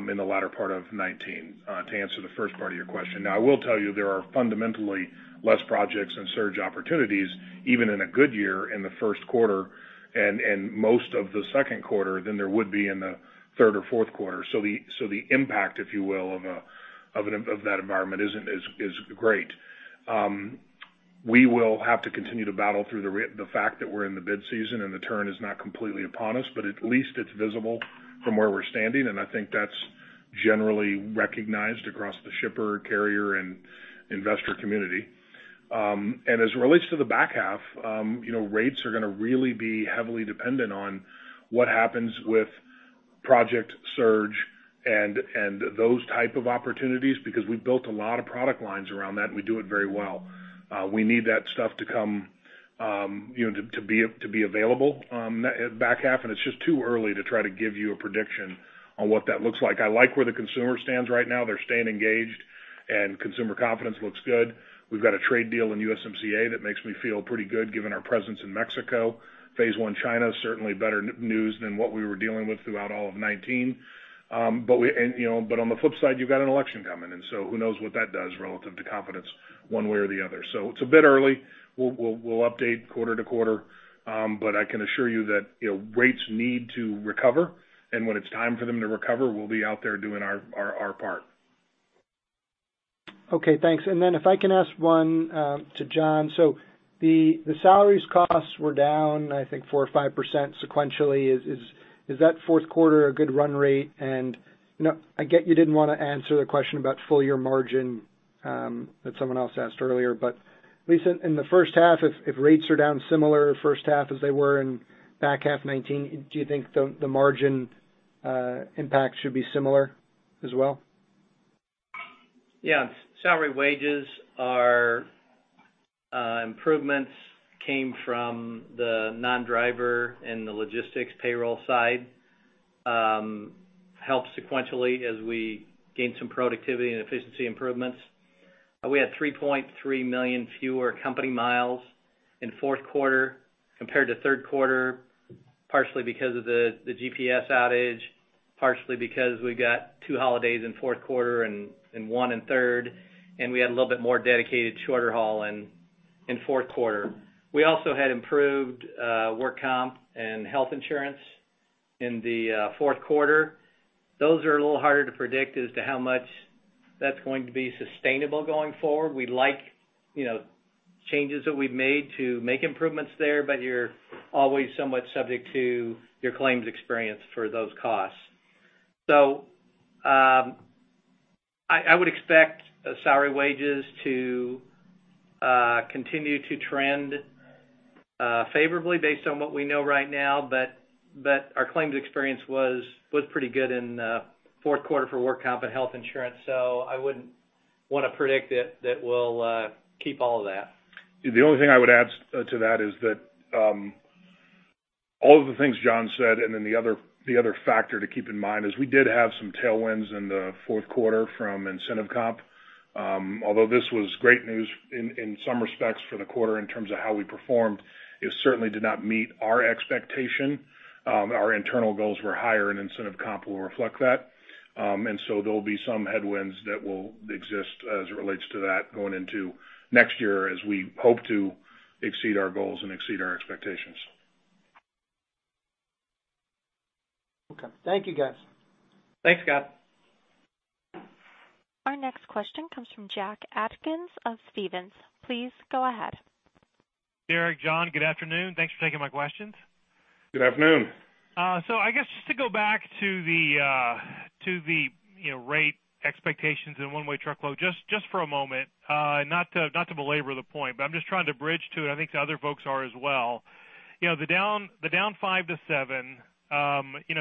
in the latter part of 2019, to answer the first part of your question. I will tell you there are fundamentally less projects and surge opportunities, even in a good year in the first quarter and most of the second quarter than there would be in the third or fourth quarter. The impact, if you will, of that environment is great. We will have to continue to battle through the fact that we're in the bid season, and the turn is not completely upon us, but at least it's visible from where we're standing, and I think that's generally recognized across the shipper, carrier, and investor community. As it relates to the back half, rates are going to really be heavily dependent on what happens with project surge and those type of opportunities because we've built a lot of product lines around that, and we do it very well. We need that stuff to be available back half, and it's just too early to try to give you a prediction on what that looks like. I like where the consumer stands right now. They're staying engaged, and consumer confidence looks good. We've got a trade deal in USMCA that makes me feel pretty good given our presence in Mexico. Phase One China is certainly better news than what we were dealing with throughout all of 2019. On the flip side, you've got an election coming, who knows what that does relative to confidence one way or the other. It's a bit early. We'll update quarter-to-quarter. I can assure you that rates need to recover, and when it's time for them to recover, we'll be out there doing our part. Okay, thanks. Then if I can ask one to John. The salaries costs were down, I think 4% or 5% sequentially. Is that fourth quarter a good run rate? I get you didn't want to answer the question about full year margin that someone else asked earlier, but at least in the first half, if rates are down similar first half as they were in back half 2019, do you think the margin impact should be similar as well? Yeah. Salary wages, our improvements came from the non-driver and the Logistics payroll side, helped sequentially as we gained some productivity and efficiency improvements. We had 3.3 million fewer company miles in fourth quarter compared to third quarter, partially because of the GPS outage, partially because we got two holidays in fourth quarter and one in third, and we had a little bit more Dedicated shorter haul in fourth quarter. We also had improved work comp and health insurance in the fourth quarter. Those are a little harder to predict as to how much that's going to be sustainable going forward. We like changes that we've made to make improvements there, but you're always somewhat subject to your claims experience for those costs. I would expect salary wages to continue to trend favorably based on what we know right now. Our claims experience was pretty good in fourth quarter for work comp and health insurance. I wouldn't want to predict that we'll keep all of that. The only thing I would add to that is that all of the things John said, and then the other factor to keep in mind is we did have some tailwinds in the fourth quarter from incentive comp. Although this was great news in some respects for the quarter in terms of how we performed, it certainly did not meet our expectation. Our internal goals were higher, and incentive comp will reflect that. There'll be some headwinds that will exist as it relates to that going into next year as we hope to exceed our goals and exceed our expectations. Okay. Thank you, guys. Thanks, Scott. Our next question comes from Jack Atkins of Stephens. Please go ahead. Derek, John, good afternoon. Thanks for taking my questions. Good afternoon. I guess just to go back to the rate expectations in One-Way Truckload, just for a moment, not to belabor the point, but I'm just trying to bridge to it. I think the other folks are as well. The down 5%-7%,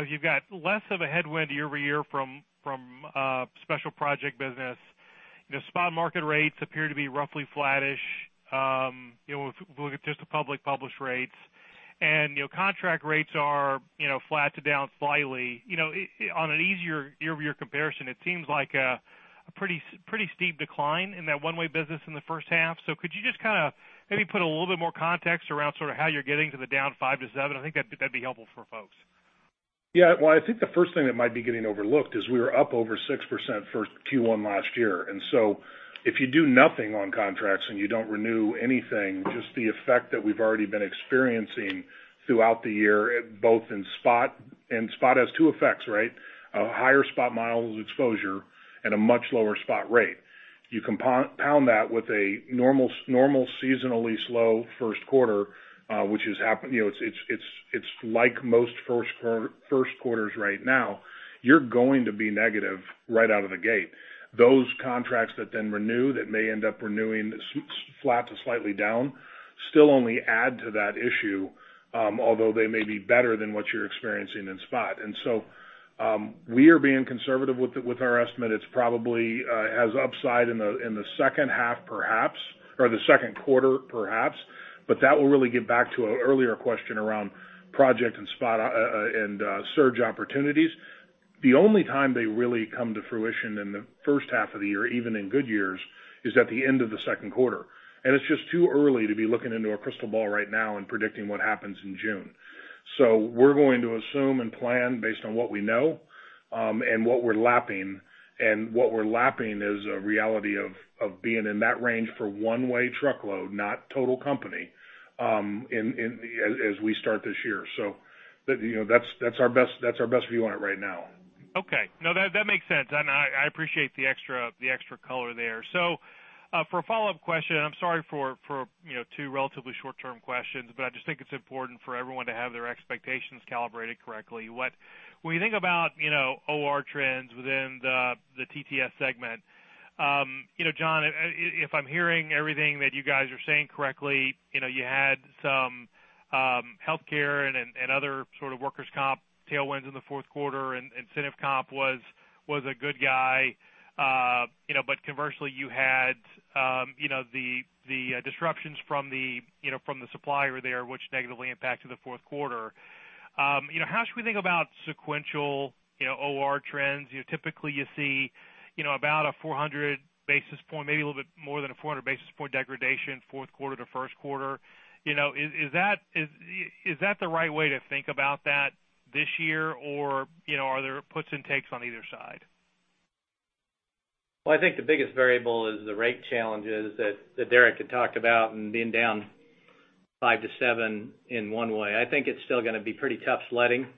you've got less of a headwind year-over-year from special project business. Spot market rates appear to be roughly flattish, looking at just the public published rates. Contract rates are flat to down slightly. On an easier year-over-year comparison, it seems like a pretty steep decline in that One-Way business in the first half. Could you just maybe put a little bit more context around how you're getting to the down 5%-7%? I think that'd be helpful for folks. Yeah. Well, I think the first thing that might be getting overlooked is we were up over 6% for Q1 last year. If you do nothing on contracts and you don't renew anything, just the effect that we've already been experiencing throughout the year, both in spot, and spot has two effects, right? A higher spot miles exposure and a much lower spot rate. You compound that with a normal seasonally slow first quarter, which it's like most first quarters right now, you're going to be negative right out of the gate. Those contracts that then renew, that may end up renewing flat to slightly down, still only add to that issue, although they may be better than what you're experiencing in spot. We are being conservative with our estimate. It probably has upside in the second half perhaps, or the second quarter perhaps, but that will really get back to an earlier question around project and surge opportunities. The only time they really come to fruition in the first half of the year, even in good years, is at the end of the second quarter. It's just too early to be looking into a crystal ball right now and predicting what happens in June. We're going to assume and plan based on what we know, and what we're lapping, and what we're lapping is a reality of being in that range for One-Way Truckload, not total company, as we start this year. That's our best view on it right now. Okay. No, that makes sense. I appreciate the extra color there. I'm sorry for two relatively short-term questions, I just think it's important for everyone to have their expectations calibrated correctly. When you think about OR trends within the TTS segment, John, if I'm hearing everything that you guys are saying correctly, you had some healthcare and other sort of workers' comp tailwinds in the fourth quarter, and incentive comp was a good guy. Conversely you had the disruptions from the supplier there, which negatively impacted the fourth quarter. How should we think about sequential OR trends? Typically, you see about a 400 basis point, maybe a little bit more than a 400 basis point degradation fourth quarter to first quarter. Is that the right way to think about that this year, are there puts and takes on either side? Well, I think the biggest variable is the rate challenges that Derek had talked about, and being down 5%-7% in One-Way. I think it's still going to be pretty tough sledding,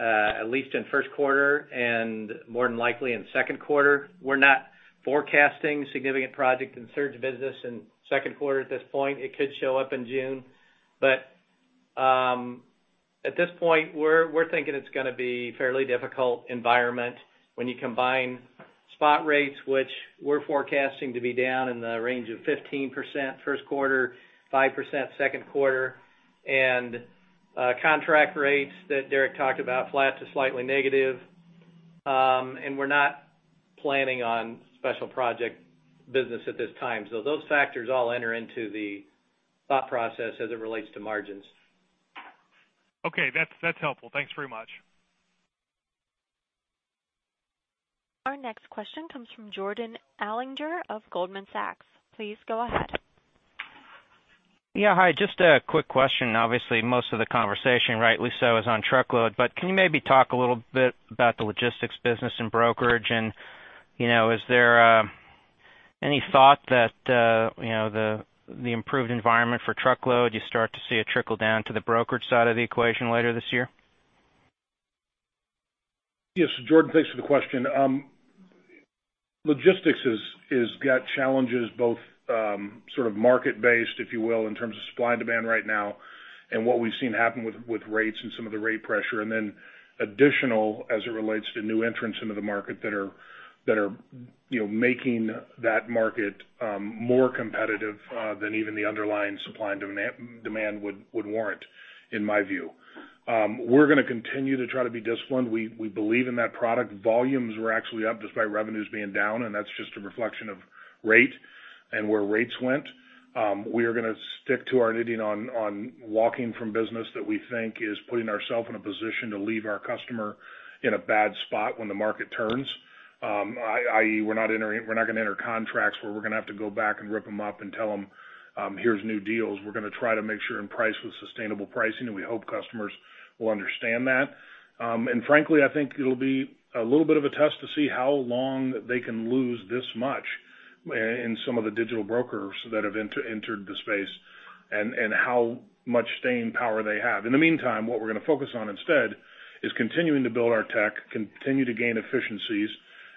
at least in first quarter, and more than likely in second quarter. We're not forecasting significant project in surge business in second quarter at this point. It could show up in June, at this point, we're thinking it's going to be fairly difficult environment when you combine spot rates, which we're forecasting to be down in the range of 15% first quarter, 5% second quarter, and contract rates that Derek talked about, flat to slightly negative. We're not planning on special project business at this time. Those factors all enter into the thought process as it relates to margins. Okay. That's helpful. Thanks very much. Our next question comes from Jordan Alliger of Goldman Sachs. Please go ahead. Yeah. Hi, just a quick question. Obviously, most of the conversation, rightly so, is on Truckload, but can you maybe talk a little bit about the logistics business and brokerage and is there any thought that the improved environment for Truckload, you start to see it trickle down to the brokerage side of the equation later this year? Yes, Jordan, thanks for the question. Logistics has got challenges, both sort of market based, if you will, in terms of supply and demand right now, what we've seen happen with rates and some of the rate pressure, then additional as it relates to new entrants into the market that are making that market more competitive than even the underlying supply and demand would warrant, in my view. We're going to continue to try to be disciplined. We believe in that product. Volumes were actually up despite revenues being down, that's just a reflection of rate and where rates went. We are going to stick to our knitting on walking from business that we think is putting ourselves in a position to leave our customer in a bad spot when the market turns. We're not going to enter contracts where we're going to have to go back and rip them up and tell them, "Here's new deals." We're going to try to make sure and price with sustainable pricing, and we hope customers will understand that. Frankly, I think it'll be a little bit of a test to see how long they can lose this much in some of the digital brokers that have entered the space, and how much staying power they have. In the meantime, what we're going to focus on instead is continuing to build our tech, continue to gain efficiencies,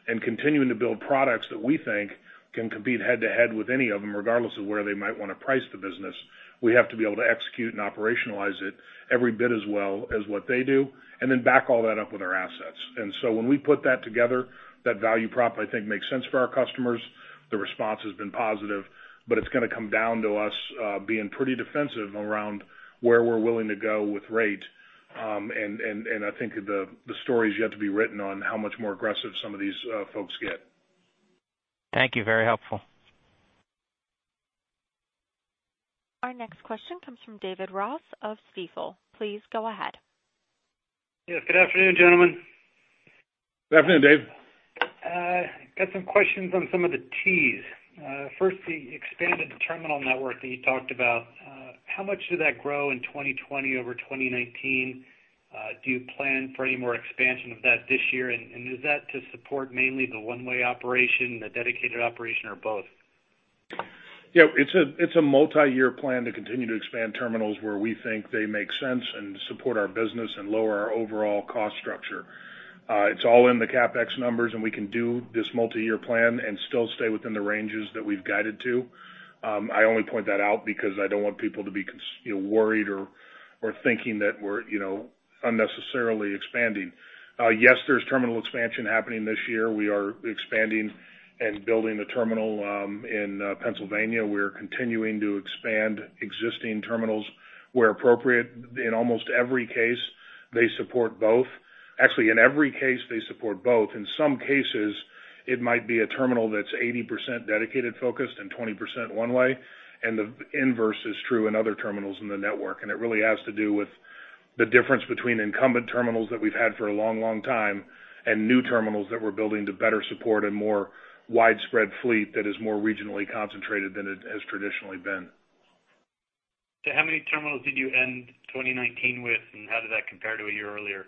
and continuing to build products that we think can compete head to head with any of them, regardless of where they might want to price the business. We have to be able to execute and operationalize it every bit as well as what they do, and then back all that up with our assets. When we put that together, that value prop, I think, makes sense for our customers. The response has been positive. It's going to come down to us being pretty defensive around where we're willing to go with rate. I think the story is yet to be written on how much more aggressive some of these folks get. Thank you. Very helpful. Our next question comes from David Ross of Stifel. Please go ahead. Yes. Good afternoon, gentlemen. Good afternoon, Dave. Got some questions on some of the Ts. First, the expanded terminal network that you talked about. How much did that grow in 2020 over 2019? Do you plan for any more expansion of that this year? Is that to support mainly the One-Way operation, the Dedicated operation, or both? Yeah. It's a multi-year plan to continue to expand terminals where we think they make sense and support our business and lower our overall cost structure. It's all in the CapEx numbers. We can do this multi-year plan and still stay within the ranges that we've guided to. I only point that out because I don't want people to be worried or thinking that we're unnecessarily expanding. Yes, there's terminal expansion happening this year. We are expanding and building a terminal in Pennsylvania. We're continuing to expand existing terminals where appropriate. In almost every case, they support both. Actually, in every case, they support both. In some cases, it might be a terminal that's 80% Dedicated focused and 20% One-Way, and the inverse is true in other terminals in the network. It really has to do with the difference between incumbent terminals that we've had for a long time and new terminals that we're building to better support a more widespread fleet that is more regionally concentrated than it has traditionally been. How many terminals did you end 2019 with, and how did that compare to a year earlier?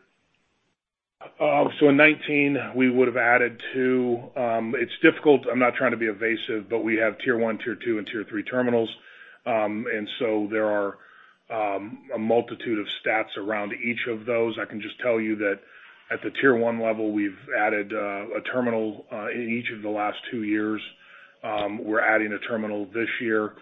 In 2019, we would have added two. It's difficult. I'm not trying to be evasive, but we have tier 1, tier 2, and tier 3 terminals. There are a multitude of stats around each of those. I can just tell you that at the tier 1 level, we've added a terminal in each of the last two years. We're adding a terminal this year.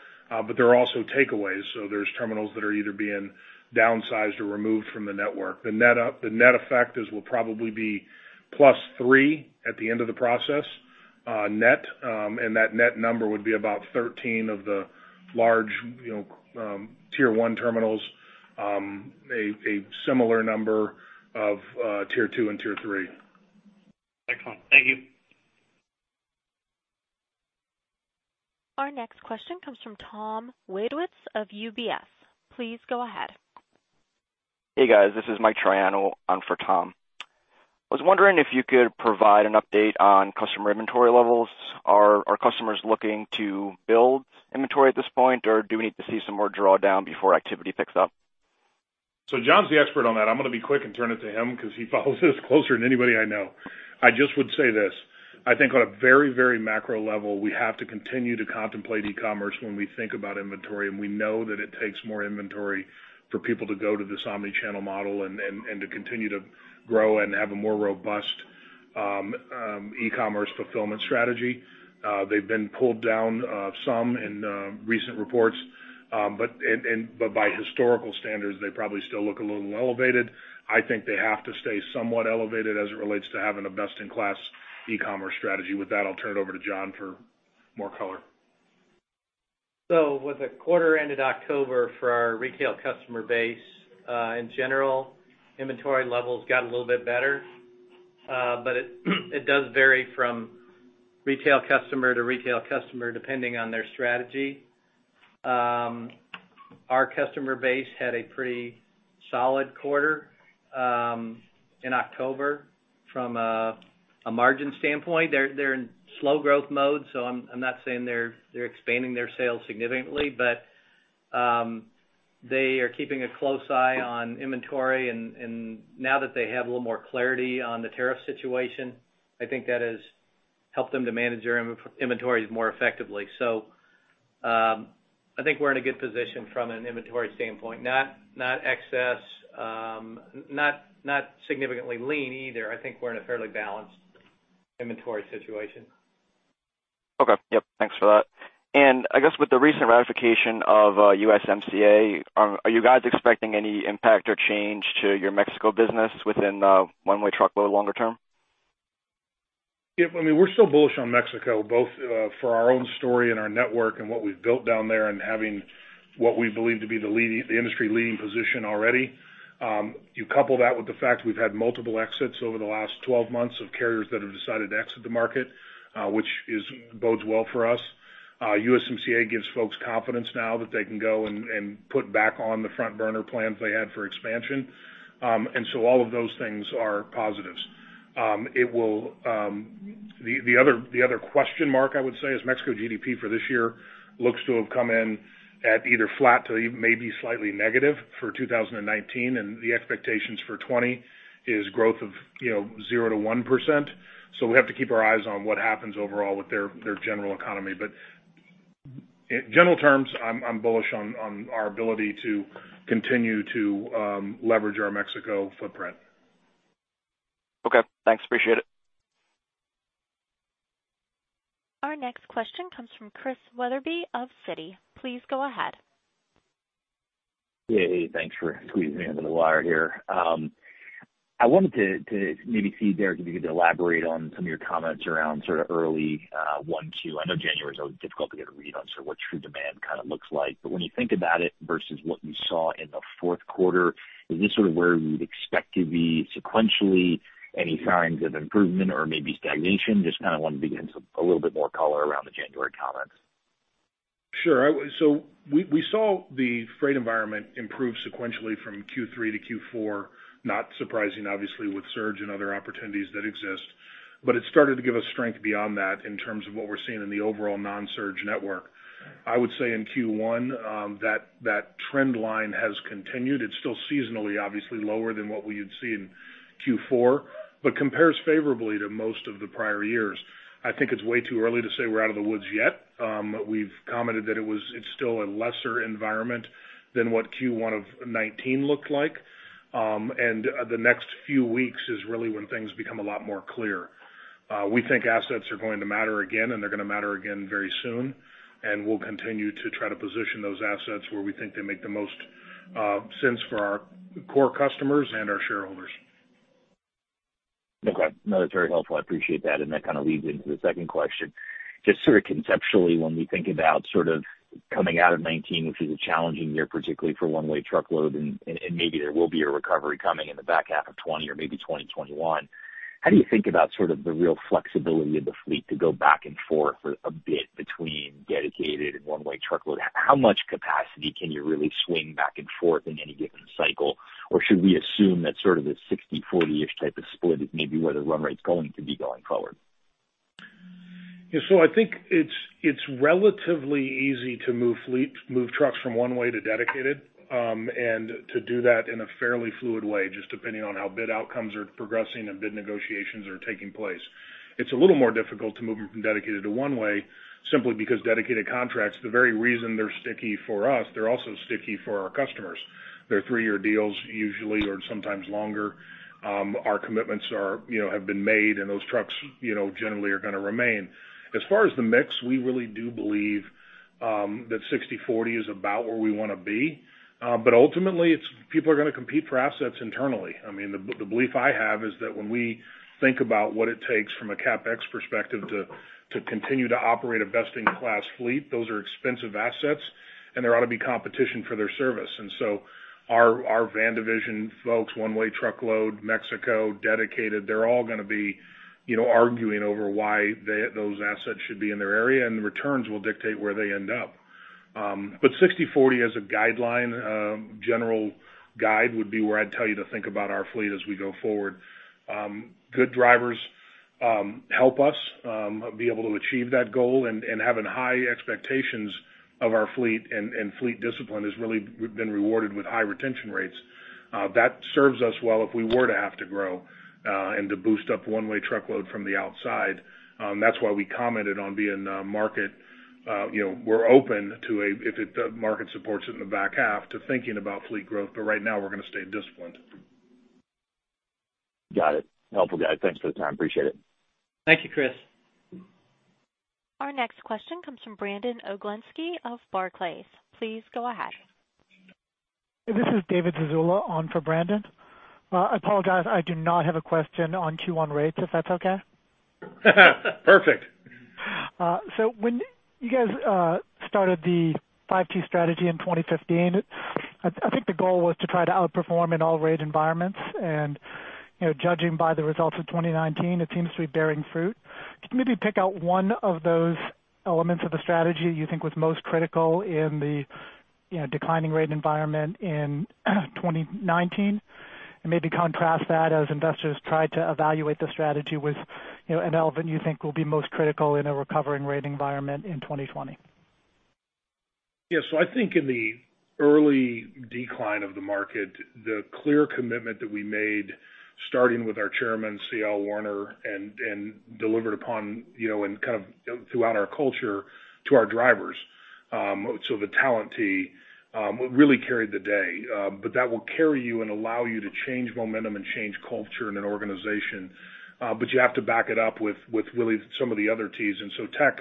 There are also takeaways, so there's terminals that are either being downsized or removed from the network. The net effect is will probably be plus three at the end of the process net. That net number would be about 13 of the large tier 1 terminals, a similar number of tier 2 and tier 3. Excellent. Thank you. Our next question comes from Tom Wadewitz of UBS. Please go ahead. Hey, guys, this is Mike Triano on for Tom. I was wondering if you could provide an update on customer inventory levels. Are customers looking to build inventory at this point, or do we need to see some more drawdown before activity picks up? John's the expert on that. I'm going to be quick and turn it to him because he follows this closer than anybody I know. I just would say this, I think on a very macro level, we have to continue to contemplate e-commerce when we think about inventory, and we know that it takes more inventory for people to go to this omnichannel model and to continue to grow and have a more robust e-commerce fulfillment strategy. They've been pulled down some in recent reports, but by historical standards, they probably still look a little elevated. I think they have to stay somewhat elevated as it relates to having a best-in-class e-commerce strategy. With that, I'll turn it over to John for more color. With the quarter end of October for our retail customer base, in general, inventory levels got a little bit better. It does vary from retail customer to retail customer, depending on their strategy. Our customer base had a pretty solid quarter, in October from a margin standpoint. They're in slow growth mode, so I'm not saying they're expanding their sales significantly, but they are keeping a close eye on inventory, and now that they have a little more clarity on the tariff situation, I think that has helped them to manage their inventories more effectively. I think we're in a good position from an inventory standpoint, not excess, not significantly lean either. I think we're in a fairly balanced inventory situation. Okay. Yep. Thanks for that. I guess with the recent ratification of USMCA, are you guys expecting any impact or change to your Mexico business within One-Way Truckload longer term? Yeah, we're still bullish on Mexico, both for our own story and our network and what we've built down there and having what we believe to be the industry leading position already. You couple that with the fact we've had multiple exits over the last 12 months of carriers that have decided to exit the market, which bodes well for us. USMCA gives folks confidence now that they can go and put back on the front burner plans they had for expansion. All of those things are positives. The other question mark, I would say, is Mexico GDP for this year looks to have come in at either flat to maybe slightly negative for 2019, and the expectations for 2020 is growth of 0% to 1%. We have to keep our eyes on what happens overall with their general economy. In general terms, I'm bullish on our ability to continue to leverage our Mexico footprint. Okay, thanks. Appreciate it. Our next question comes from Chris Wetherbee of Citi. Please go ahead. Yeah. Thanks for squeezing me into the wire here. I wanted to maybe see, Derek, if you could elaborate on some of your comments around sort of early Q1. I know January is always difficult to get a read on sort of what true demand kind of looks like. When you think about it versus what you saw in the fourth quarter, is this sort of where you'd expect to be sequentially? Any signs of improvement or maybe stagnation? Just kind of wanted to get a little bit more color around the January comments. Sure. We saw the freight environment improve sequentially from Q3 to Q4. Not surprising, obviously, with surge and other opportunities that exist. It started to give us strength beyond that in terms of what we're seeing in the overall non-surge network. I would say in Q1, that trend line has continued. It's still seasonally, obviously, lower than what we had seen in Q4, but compares favorably to most of the prior years. I think it's way too early to say we're out of the woods yet. We've commented that it's still a lesser environment than what Q1 of 2019 looked like. The next few weeks is really when things become a lot more clear. We think assets are going to matter again, and they're going to matter again very soon, and we'll continue to try to position those assets where we think they make the most sense for our core customers and our shareholders. Okay. No, that's very helpful. I appreciate that. That kind of leads into the second question. Just sort of conceptually, when we think about sort of coming out of 2019, which is a challenging year, particularly for One-Way Truckload, and maybe there will be a recovery coming in the back half of 2020 or maybe 2021. How do you think about sort of the real flexibility of the fleet to go back and forth for a bit between Dedicated and One-Way Truckload? How much capacity can you really swing back and forth in any given cycle? Should we assume that sort of the 60/40-ish type of split is maybe where the run rate's going to be going forward? Yeah. I think it's relatively easy to move trucks from One-Way to Dedicated, and to do that in a fairly fluid way, just depending on how bid outcomes are progressing and bid negotiations are taking place. It's a little more difficult to move them from Dedicated to One-Way, simply because Dedicated contracts, the very reason they're sticky for us, they're also sticky for our customers. They're three-year deals usually, or sometimes longer. Our commitments have been made, and those trucks generally are going to remain. As far as the mix, we really do believe that 60/40 is about where we want to be. Ultimately, people are going to compete for assets internally. The belief I have is that when we think about what it takes from a CapEx perspective to continue to operate a best-in-class fleet, those are expensive assets, and there ought to be competition for their service. Our van division folks, One-Way Truckload, Mexico, Dedicated, they're all going to be arguing over why those assets should be in their area, and the returns will dictate where they end up. 60/40 as a guideline, general guide would be where I'd tell you to think about our fleet as we go forward. Good drivers help us be able to achieve that goal and having high expectations of our fleet and fleet discipline has really been rewarded with high retention rates. That serves us well if we were to have to grow and to boost up One-Way Truckload from the outside. That's why we commented on being market. We're open, if the market supports it in the back half, to thinking about fleet growth, but right now we're going to stay disciplined. Got it. Helpful, guys. Thanks for the time. Appreciate it. Thank you, Chris. Our next question comes from Brandon Oglenski of Barclays. Please go ahead. This is David Zazula on for Brandon. I apologize, I do not have a question on Q1 rates, if that's okay? Perfect. When you guys started the 5Ts strategy in 2015, I think the goal was to try to outperform in all rate environments, and judging by the results of 2019, it seems to be bearing fruit. Could you maybe pick out one of those elements of the strategy you think was most critical in the declining rate environment in 2019? And maybe contrast that as investors try to evaluate the strategy with an element you think will be most critical in a recovering rate environment in 2020? Yes. I think in the early decline of the market, the clear commitment that we made, starting with our chairman, CL Werner, and delivered upon throughout our culture to our drivers. The Talent T really carried the day. That will carry you and allow you to change momentum and change culture in an organization. You have to back it up with really some of the other Ts. Tech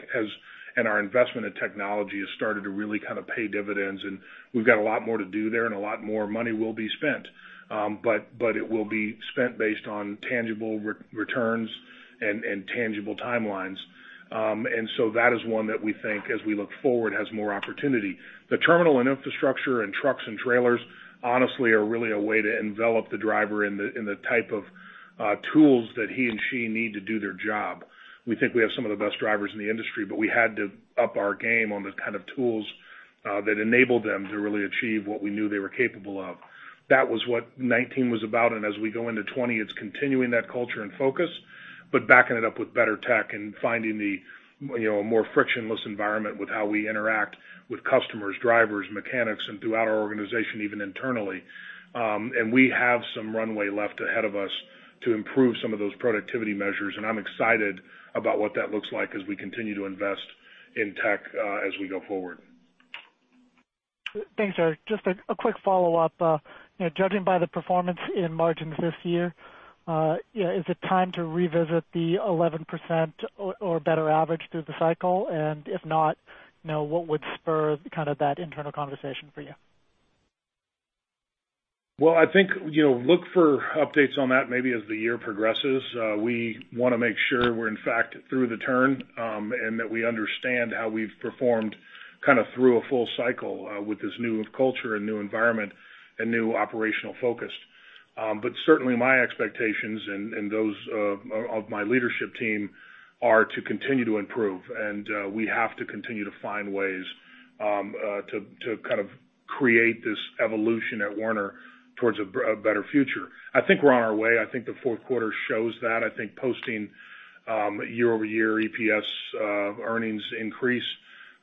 and our investment in technology has started to really pay dividends, and we've got a lot more to do there, and a lot more money will be spent. It will be spent based on tangible returns and tangible timelines. That is one that we think, as we look forward, has more opportunity. The terminal and infrastructure and trucks and trailers honestly are really a way to envelop the driver in the type of tools that he and she need to do their job. We think we have some of the best drivers in the industry, but we had to up our game on the kind of tools that enabled them to really achieve what we knew they were capable of. That was what 2019 was about. As we go into 2020, it's continuing that culture and focus, but backing it up with better tech and finding a more frictionless environment with how we interact with customers, drivers, mechanics, and throughout our organization, even internally. We have some runway left ahead of us to improve some of those productivity measures, and I'm excited about what that looks like as we continue to invest in tech as we go forward. Thanks, Derek. Just a quick follow-up. Judging by the performance in margins this year, is it time to revisit the 11% or better average through the cycle? If not, what would spur that internal conversation for you? I think look for updates on that maybe as the year progresses. We want to make sure we're in fact through the turn, and that we understand how we've performed through a full cycle with this new culture and new environment and new operational focus. Certainly my expectations and those of my leadership team are to continue to improve, and we have to continue to find ways to create this evolution at Werner towards a better future. I think we're on our way. I think the fourth quarter shows that. I think posting year-over-year EPS earnings increase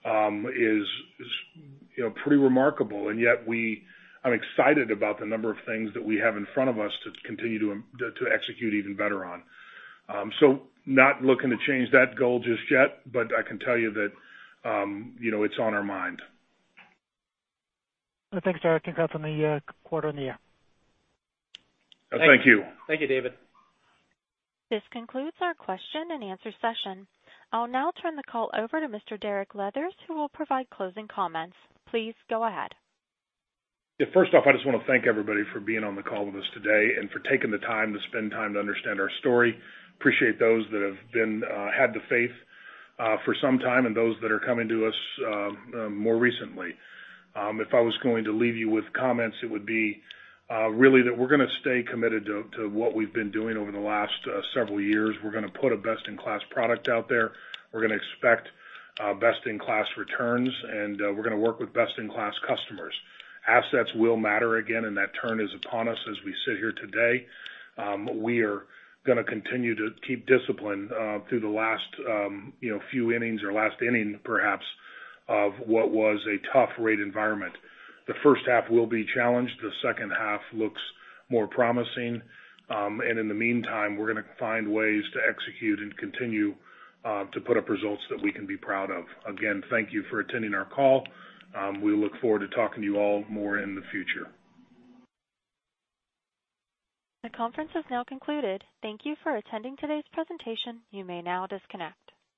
is pretty remarkable. I'm excited about the number of things that we have in front of us to continue to execute even better on. Not looking to change that goal just yet, but I can tell you that it's on our mind. Thanks, Derek. Congrats on the quarter and the year. Thank you. Thank you, David. This concludes our question and answer session. I'll now turn the call over to Mr. Derek Leathers, who will provide closing comments. Please go ahead. First off, I just want to thank everybody for being on the call with us today and for taking the time to spend time to understand our story. Appreciate those that have had the faith for some time and those that are coming to us more recently. If I was going to leave you with comments, it would be really that we're going to stay committed to what we've been doing over the last several years. We're going to put a best-in-class product out there. We're going to expect best-in-class returns, and we're going to work with best-in-class customers. Assets will matter again, and that turn is upon us as we sit here today. We are going to continue to keep discipline through the last few innings or last inning, perhaps, of what was a tough rate environment. The first half will be challenged, the second half looks more promising. In the meantime, we're going to find ways to execute and continue to put up results that we can be proud of. Again, thank you for attending our call. We look forward to talking to you all more in the future. The conference has now concluded. Thank you for attending today's presentation. You may now disconnect.